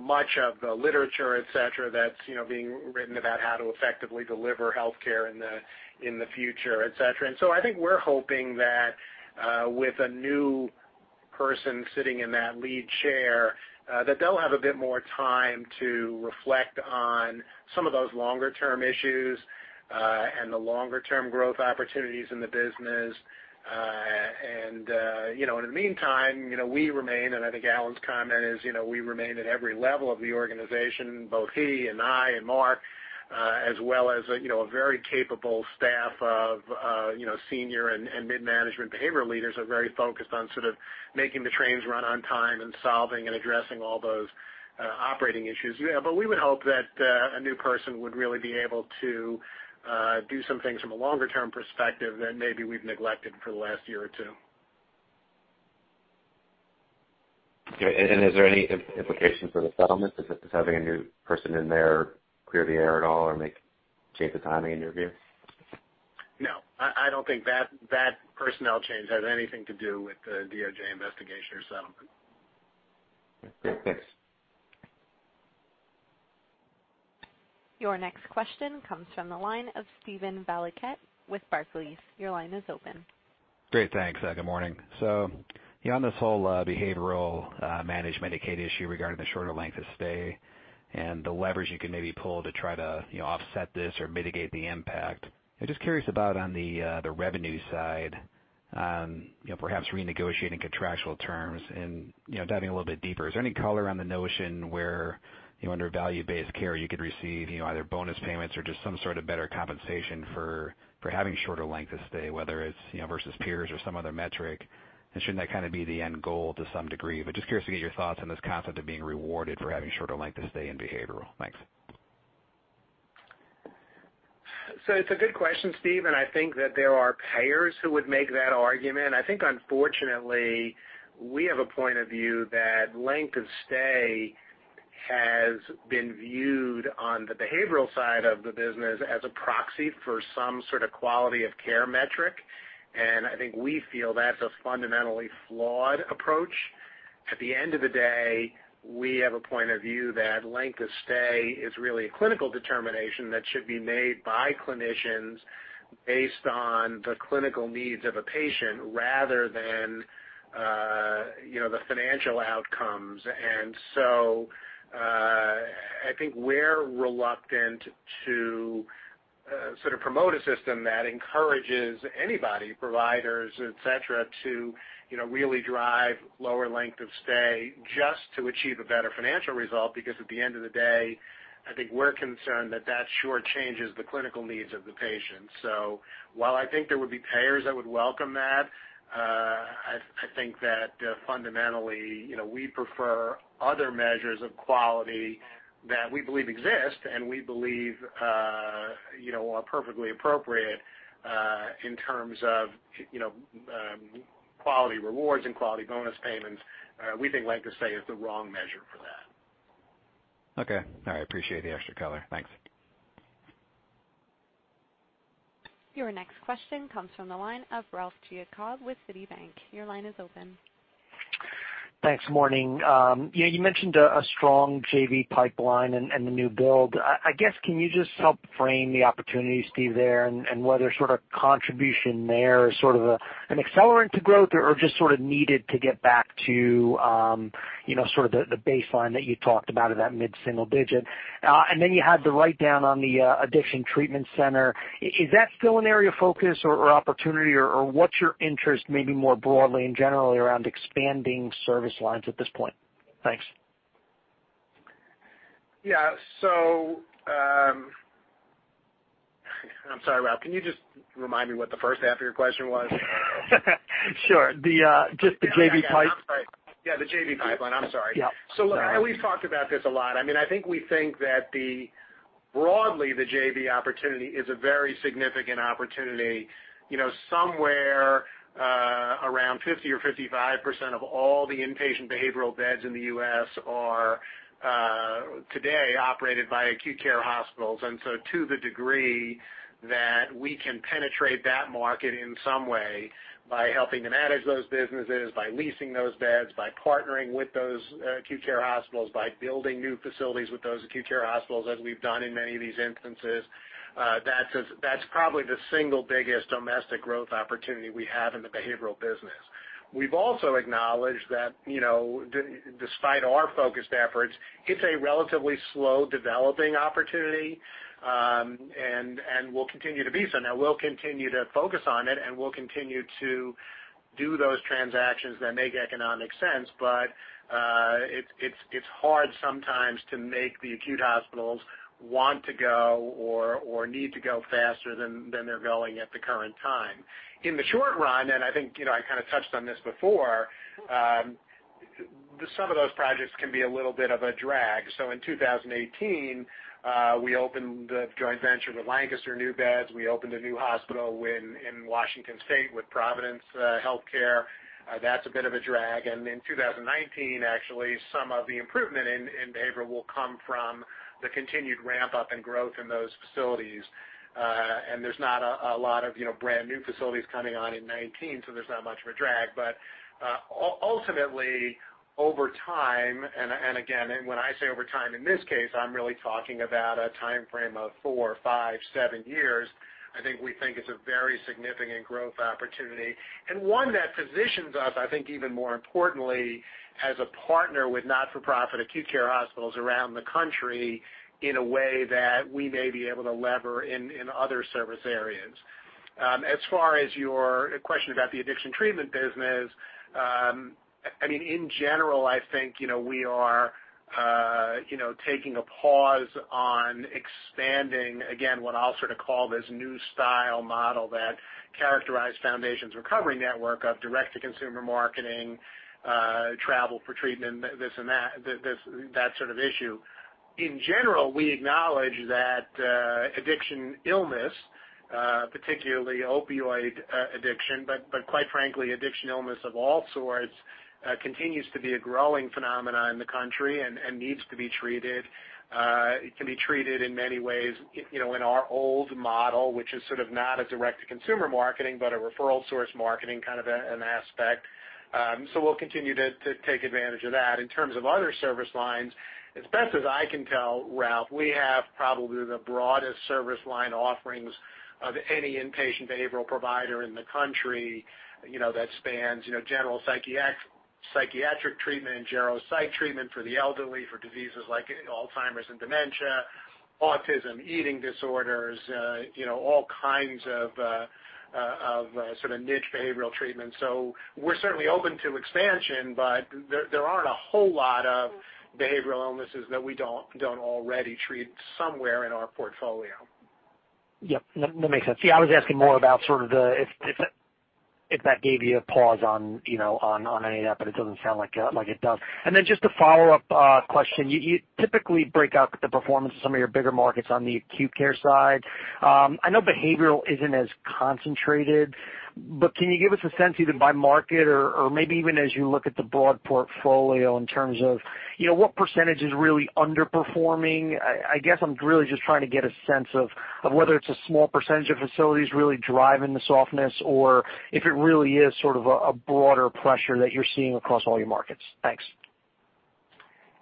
much of the literature, et cetera, that's being written about how to effectively deliver healthcare in the future, et cetera. I think we're hoping that with a new person sitting in that lead chair, that they'll have a bit more time to reflect on some of those longer-term issues, and the longer-term growth opportunities in the business. In the meantime, we remain, and I think Alan's comment is, we remain at every level of the organization, both he and I and Marc, as well as a very capable staff of senior and mid-management behavioral leaders are very focused on sort of making the trains run on time and solving and addressing all those operating issues. We would hope that a new person would really be able to do some things from a longer-term perspective that maybe we've neglected for the last year or two. Okay, is there any implication for the settlement? Does having a new person in there clear the air at all or change the timing, in your view? No, I don't think that personnel change has anything to do with the DOJ investigation or settlement. Okay, thanks. Your next question comes from the line of Steven Valiquette with Barclays. Your line is open. Great, thanks. Good morning. On this whole behavioral managed Medicaid issue regarding the shorter length of stay and the leverage you can maybe pull to try to offset this or mitigate the impact, I'm just curious about on the revenue side, perhaps renegotiating contractual terms and diving a little bit deeper. Is there any color on the notion where under value-based care, you could receive either bonus payments or just some sort of better compensation for having shorter length of stay, whether it's versus peers or some other metric? Shouldn't that kind of be the end goal to some degree? Just curious to get your thoughts on this concept of being rewarded for having shorter length of stay in behavioral. Thanks. It's a good question, Steve. I think that there are payers who would make that argument. I think unfortunately, we have a point of view that length of stay has been viewed on the behavioral side of the business as a proxy for some sort of quality of care metric. I think we feel that's a fundamentally flawed approach. At the end of the day, we have a point of view that length of stay is really a clinical determination that should be made by clinicians based on the clinical needs of a patient rather than the financial outcomes. I think we're reluctant to sort of promote a system that encourages anybody, providers, et cetera, to really drive lower length of stay just to achieve a better financial result, because at the end of the day, I think we're concerned that that short-changes the clinical needs of the patient. While I think there would be payers that would welcome that, I think that fundamentally, we prefer other measures of quality that we believe exist and we believe are perfectly appropriate, in terms of quality rewards and quality bonus payments. We think length of stay is the wrong measure for that. Okay. All right, appreciate the extra color. Thanks. Your next question comes from the line of Ralph Giacobbe with Citi. Your line is open. Thanks. Morning. You mentioned a strong JV pipeline and the new build. I guess, can you just help frame the opportunities there and whether sort of contribution there is sort of an accelerant to growth or just sort of needed to get back to the baseline that you talked about of that mid-single digit? And then you had the write-down on the addiction treatment center. Is that still an area of focus or opportunity, or what's your interest maybe more broadly and generally around expanding service lines at this point? Thanks. Yeah. I'm sorry, Ralph, can you just remind me what the first half of your question was? Sure. Just the JV pipe- Yeah, the JV pipeline. I'm sorry. Yeah. Look, we've talked about this a lot. We think that broadly, the JV opportunity is a very significant opportunity. Somewhere around 50% or 55% of all the inpatient behavioral beds in the U.S. are today operated by acute care hospitals. To the degree that we can penetrate that market in some way by helping to manage those businesses, by leasing those beds, by partnering with those acute care hospitals, by building new facilities with those acute care hospitals as we've done in many of these instances, that's probably the single biggest domestic growth opportunity we have in the behavioral business. We've also acknowledged that despite our focused efforts, it's a relatively slow-developing opportunity, and will continue to be. Now we'll continue to focus on it, and we'll continue to do those transactions that make economic sense. It's hard sometimes to make the acute hospitals want to go or need to go faster than they're going at the current time. In the short run, I kind of touched on this before, some of those projects can be a little bit of a drag. In 2018, we opened a joint venture with Lancaster new beds. We opened a new hospital in Washington State with Providence Health Care. That's a bit of a drag. In 2019, actually, some of the improvement in behavioral will come from the continued ramp-up and growth in those facilities. There's not a lot of brand-new facilities coming on in 2019, so there's not much of a drag. Ultimately, over time, and again, when I say over time, in this case, I'm really talking about a timeframe of four, five, seven years, we think it's a very significant growth opportunity. One that positions us, even more importantly, as a partner with not-for-profit acute care hospitals around the country in a way that we may be able to lever in other service areas. As far as your question about the addiction treatment business, in general, we are taking a pause on expanding, again, what I'll sort of call this new style model that characterized Foundations Recovery Network of direct-to-consumer marketing, travel for treatment, and this and that sort of issue. In general, we acknowledge that addiction illness, particularly opioid addiction, but quite frankly, addiction illness of all sorts, continues to be a growing phenomenon in the country and needs to be treated. It can be treated in many ways, in our old model, which is sort of not a direct-to-consumer marketing, but a referral source marketing kind of an aspect. We'll continue to take advantage of that. In terms of other service lines, as best as I can tell, Ralph, we have probably the broadest service line offerings of any inpatient behavioral provider in the country that spans general psychiatric treatment and gero-psych treatment for the elderly for diseases like Alzheimer's and dementia, autism, eating disorders, all kinds of niche behavioral treatments. We're certainly open to expansion, but there aren't a whole lot of behavioral illnesses that we don't already treat somewhere in our portfolio. Yep, that makes sense. Yeah, I was asking more about sort of if that gave you a pause on any of that, but it doesn't sound like it does. Just a follow-up question. You typically break out the performance of some of your bigger markets on the acute care side. I know behavioral isn't as concentrated, but can you give us a sense either by market or maybe even as you look at the broad portfolio in terms of what % is really underperforming? I guess I'm really just trying to get a sense of whether it's a small % of facilities really driving the softness or if it really is sort of a broader pressure that you're seeing across all your markets. Thanks.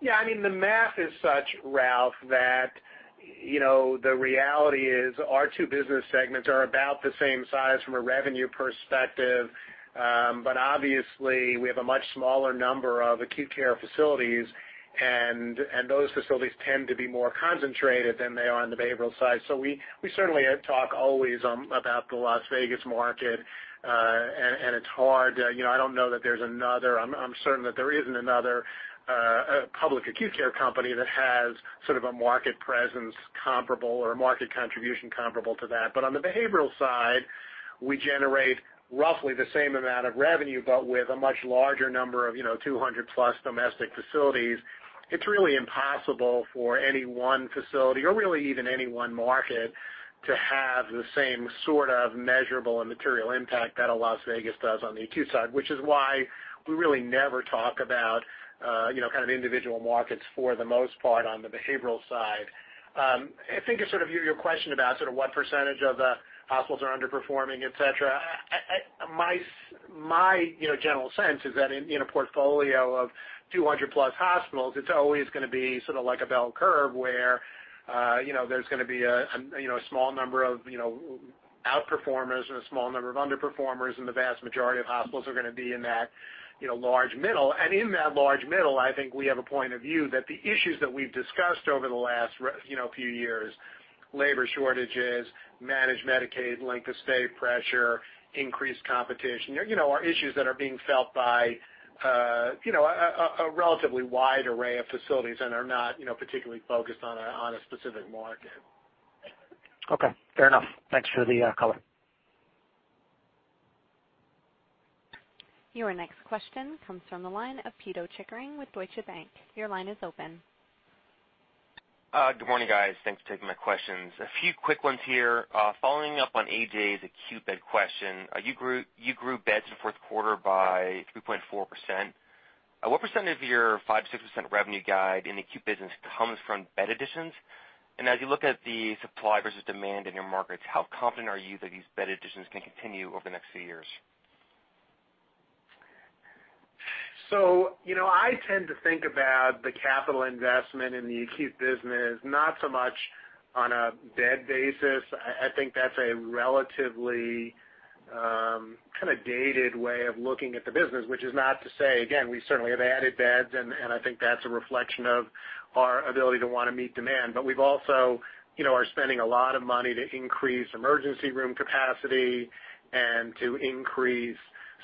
Yeah, the math is such, Ralph, that the reality is our two business segments are about the same size from a revenue perspective. Obviously, we have a much smaller number of acute care facilities, and those facilities tend to be more concentrated than they are on the behavioral side. We certainly talk always about the Las Vegas market, and it's hard. I'm certain that there isn't another public acute care company that has sort of a market presence comparable or a market contribution comparable to that. On the behavioral side, we generate roughly the same amount of revenue, but with a much larger number of 200-plus domestic facilities. It's really impossible for any one facility or really even any one market to have the same sort of measurable and material impact that a Las Vegas does on the acute side. Which is why we really never talk about kind of individual markets for the most part on the behavioral side. I think your question about sort of what % of the hospitals are underperforming, et cetera, my general sense is that in a portfolio of 200-plus hospitals, it's always going to be sort of like a bell curve where there's going to be a small number of outperformers and a small number of underperformers, and the vast majority of hospitals are going to be in that large middle. In that large middle, I think we have a point of view that the issues that we've discussed over the last few years, labor shortages, managed Medicaid, length of stay pressure, increased competition, are issues that are being felt by a relatively wide array of facilities and are not particularly focused on a specific market. Okay. Fair enough. Thanks for the color. Your next question comes from the line of Pito Chickering with Deutsche Bank. Your line is open. Good morning, guys. Thanks for taking my questions. A few quick ones here. Following up on A.J.'s acute bed question, you grew beds in the fourth quarter by 3.4%. What percent of your 5%-6% revenue guide in the acute business comes from bed additions? As you look at the supply versus demand in your markets, how confident are you that these bed additions can continue over the next few years? I tend to think about the capital investment in the acute business, not so much on a bed basis. I think that's a relatively kind of dated way of looking at the business, which is not to say, again, we certainly have added beds, and I think that's a reflection of our ability to want to meet demand. We also are spending a lot of money to increase emergency room capacity and to increase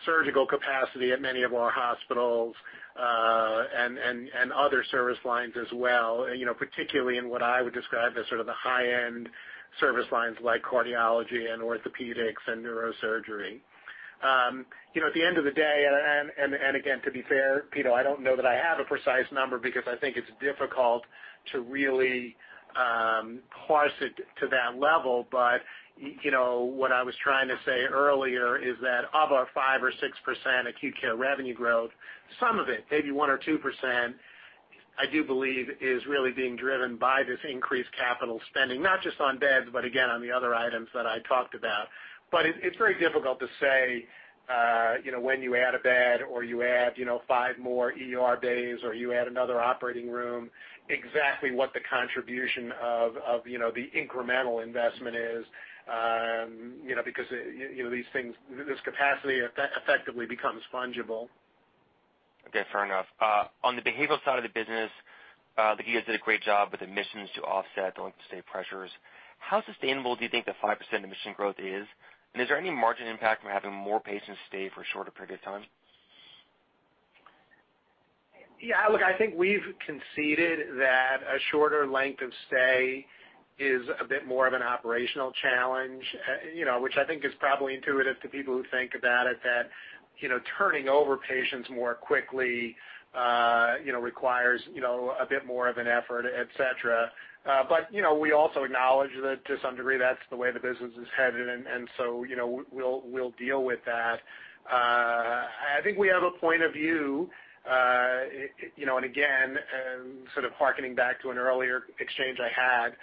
surgical capacity at many of our hospitals, and other service lines as well, particularly in what I would describe as sort of the high-end service lines like cardiology and orthopedics and neurosurgery. At the end of the day, and again, to be fair, Pito, I don't know that I have a precise number because I think it's difficult to really parse it to that level. What I was trying to say earlier is that of our 5% or 6% acute care revenue growth, some of it, maybe 1% or 2%, I do believe is really being driven by this increased capital spending, not just on beds, but again, on the other items that I talked about. It's very difficult to say when you add a bed or you add five more ER days or you add another operating room, exactly what the contribution of the incremental investment is, because these things, this capacity effectively becomes fungible. Okay. Fair enough. On the behavioral side of the business, you guys did a great job with admissions to offset the length of stay pressures. How sustainable do you think the 5% admission growth is? Is there any margin impact from having more patients stay for a shorter period of time? Yeah, look, I think we've conceded that a shorter length of stay is a bit more of an operational challenge, which I think is probably intuitive to people who think about it, that turning over patients more quickly requires a bit more of an effort, et cetera. We also acknowledge that to some degree, that's the way the business is headed, we'll deal with that. I think we have a point of view, and again, sort of hearkening back to an earlier exchange I had,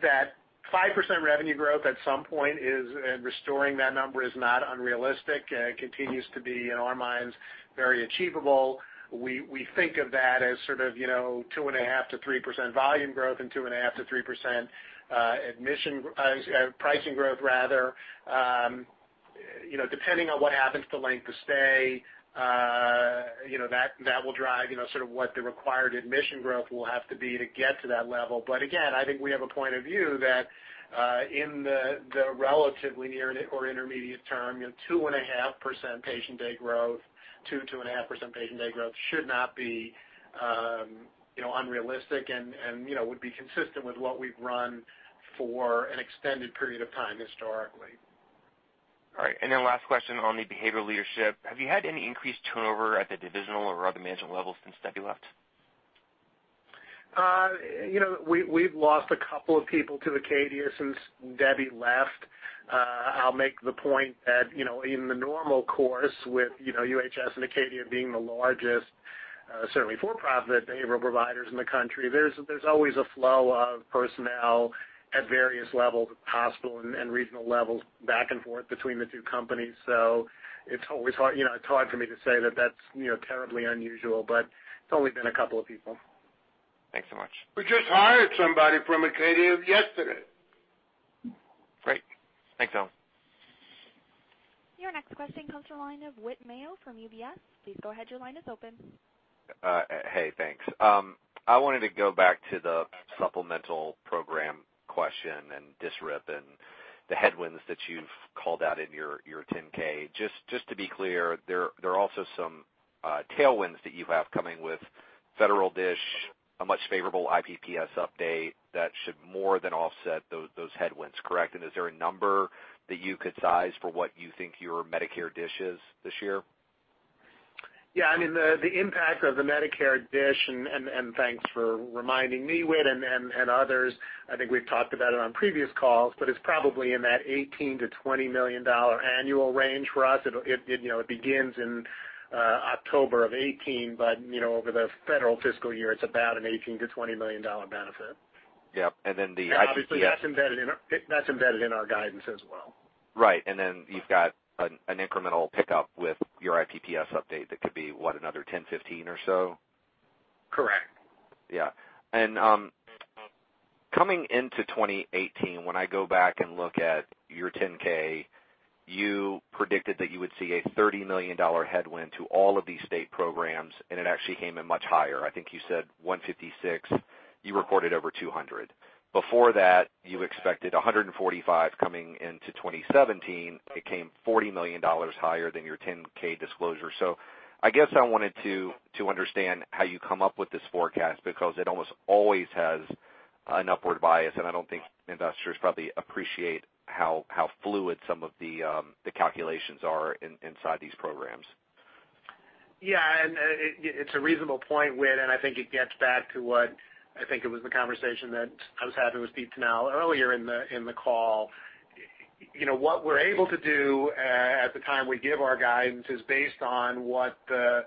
that 5% revenue growth at some point and restoring that number is not unrealistic. It continues to be, in our minds, very achievable. We think of that as sort of 2.5%-3% volume growth and 2.5%-3% pricing growth. Depending on what happens to length of stay, that will drive sort of what the required admission growth will have to be to get to that level. Again, I think we have a point of view that in the relatively near or intermediate term, 2.5% patient day growth should not be unrealistic and would be consistent with what we've run for an extended period of time historically. All right. Last question on the behavioral leadership. Have you had any increased turnover at the divisional or other management levels since Debbie left? We've lost a couple of people to Acadia since Debbie left. I'll make the point that in the normal course with UHS and Acadia being the largest, certainly for-profit behavioral providers in the country, there's always a flow of personnel at various levels of hospital and regional levels back and forth between the two companies. It's hard for me to say that that's terribly unusual, but it's only been a couple of people. Thanks so much. We just hired somebody from Acadia yesterday. Great. Thanks, Alan. Your next question comes from the line of Whit Mayo from UBS. Please go ahead, your line is open. Hey, thanks. I wanted to go back to the supplemental program question and DSRIP and the headwinds that you've called out in your 10-K. Just to be clear, there are also some tailwinds that you have coming with federal DSH, a much favorable IPPS update that should more than offset those headwinds, correct? Is there a number that you could size for what you think your Medicare DSH is this year? Yeah, the impact of the Medicare DSH, and thanks for reminding me, Whit, and others, I think we've talked about it on previous calls, but it's probably in that $18 million-$20 million annual range for us. It begins in October of 2018, but over the federal fiscal year, it's about an $18 million-$20 million benefit. Yep. Obviously, that's embedded in our guidance as well. Right. Then you've got an incremental pickup with your IPPS update that could be, what, another 10, 15 or so? Correct. Yeah. Coming into 2018, when I go back and look at your 10-K, you predicted that you would see a $30 million headwind to all of these state programs, and it actually came in much higher. I think you said 156, you recorded over 200. Before that, you expected 145 coming into 2017. It came $40 million higher than your 10-K disclosure. I guess I wanted to understand how you come up with this forecast because it almost always has an upward bias, and I don't think investors probably appreciate how fluid some of the calculations are inside these programs. Yeah, it's a reasonable point, Whit, I think it gets back to what, I think it was the conversation that I was having with Steve Tanal earlier in the call. What we're able to do at the time we give our guidance is based on what the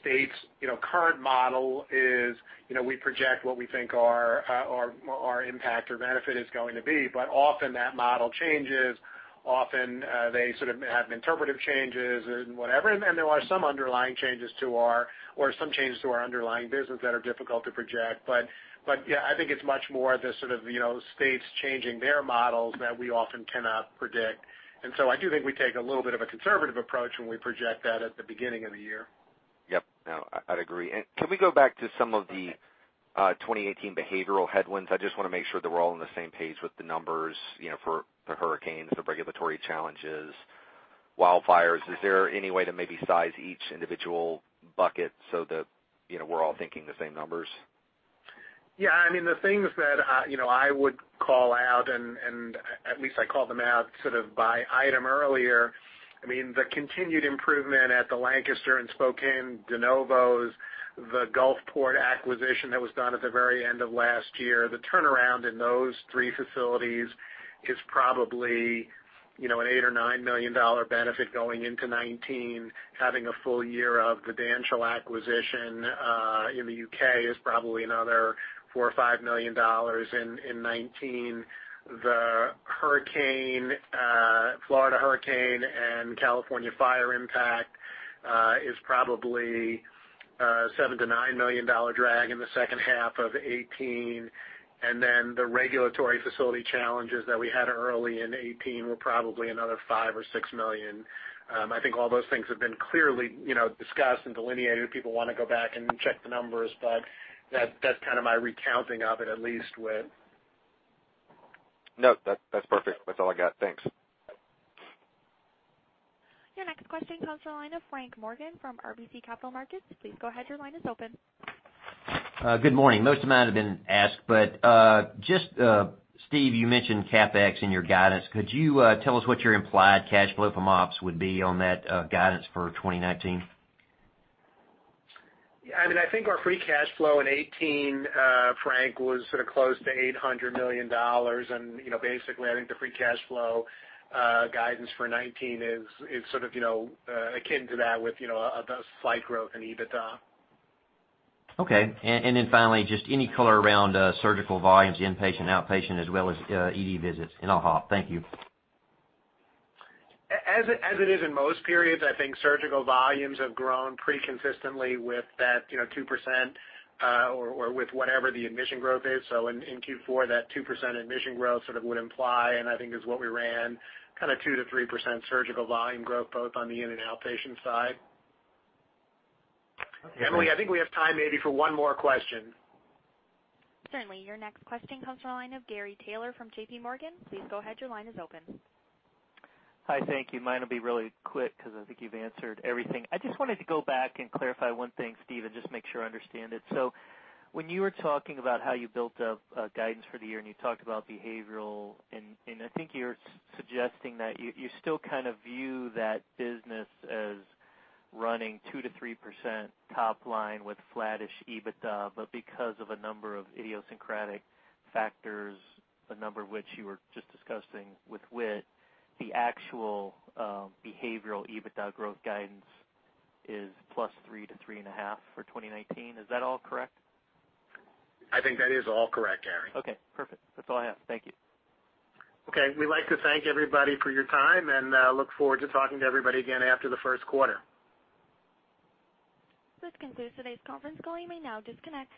state's current model is. We project what we think our impact or benefit is going to be, but often that model changes. Often they sort of have interpretive changes and whatever. There are some underlying changes, or some changes to our underlying business that are difficult to project. Yeah, I think it's much more the sort of states changing their models that we often cannot predict. I do think we take a little bit of a conservative approach when we project that at the beginning of the year. Yep. No, I'd agree. Can we go back to some of the 2018 behavioral headwinds? I just want to make sure that we're all on the same page with the numbers for the hurricanes, the regulatory challenges, wildfires. Is there any way to maybe size each individual bucket so that we're all thinking the same numbers? Yeah. I mean, the things that I would call out, at least I called them out sort of by item earlier. I mean, the continued improvement at the Lancaster and Spokane de novos, the Gulfport acquisition that was done at the very end of last year. The turnaround in those three facilities is probably an $8 million or $9 million benefit going into 2019. Having a full year of the Danshell acquisition, in the U.K. is probably another $4 million or $5 million in 2019. The Florida hurricane and California fire impact is probably a $7 million to $9 million drag in the second half of 2018. The regulatory facility challenges that we had early in 2018 were probably another $5 million or $6 million. I think all those things have been clearly discussed and delineated if people want to go back and check the numbers. That's kind of my recounting of it, at least, Whit. No, that's perfect. That's all I got. Thanks. Your next question comes from the line of Frank Morgan from RBC Capital Markets. Please go ahead, your line is open. Good morning. Most of mine have been asked, just, Steve, you mentioned CapEx in your guidance. Could you tell us what your implied cash flow from ops would be on that guidance for 2019? I mean, I think our free cash flow in 2018, Frank, was sort of close to $800 million. Basically, I think the free cash flow guidance for 2019 is sort of akin to that with a slight growth in EBITDA. Okay. Then finally, just any color around surgical volumes, inpatient, outpatient, as well as ED visits in HOPD. Thank you. As it is in most periods, I think surgical volumes have grown pretty consistently with that 2%, or with whatever the admission growth is. In Q4, that 2% admission growth sort of would imply, and I think is what we ran, kind of 2%-3% surgical volume growth, both on the in and outpatient side. Okay, thanks. Emily, I think we have time maybe for one more question. Certainly. Your next question comes from the line of Gary Taylor from JPMorgan. Please go ahead, your line is open. Hi, thank you. Mine will be really quick because I think you've answered everything. I just wanted to go back and clarify one thing, Steve, and just make sure I understand it. When you were talking about how you built up guidance for the year and you talked about behavioral, and I think you're suggesting that you still kind of view that business as running 2%-3% top line with flattish EBITDA, but because of a number of idiosyncratic factors, a number of which you were just discussing with Whit, the actual behavioral EBITDA growth guidance is +3%-3.5% for 2019. Is that all correct? I think that is all correct, Gary. Okay, perfect. That's all I have. Thank you. Okay. We'd like to thank everybody for your time, and look forward to talking to everybody again after the first quarter. This concludes today's conference call. You may now disconnect.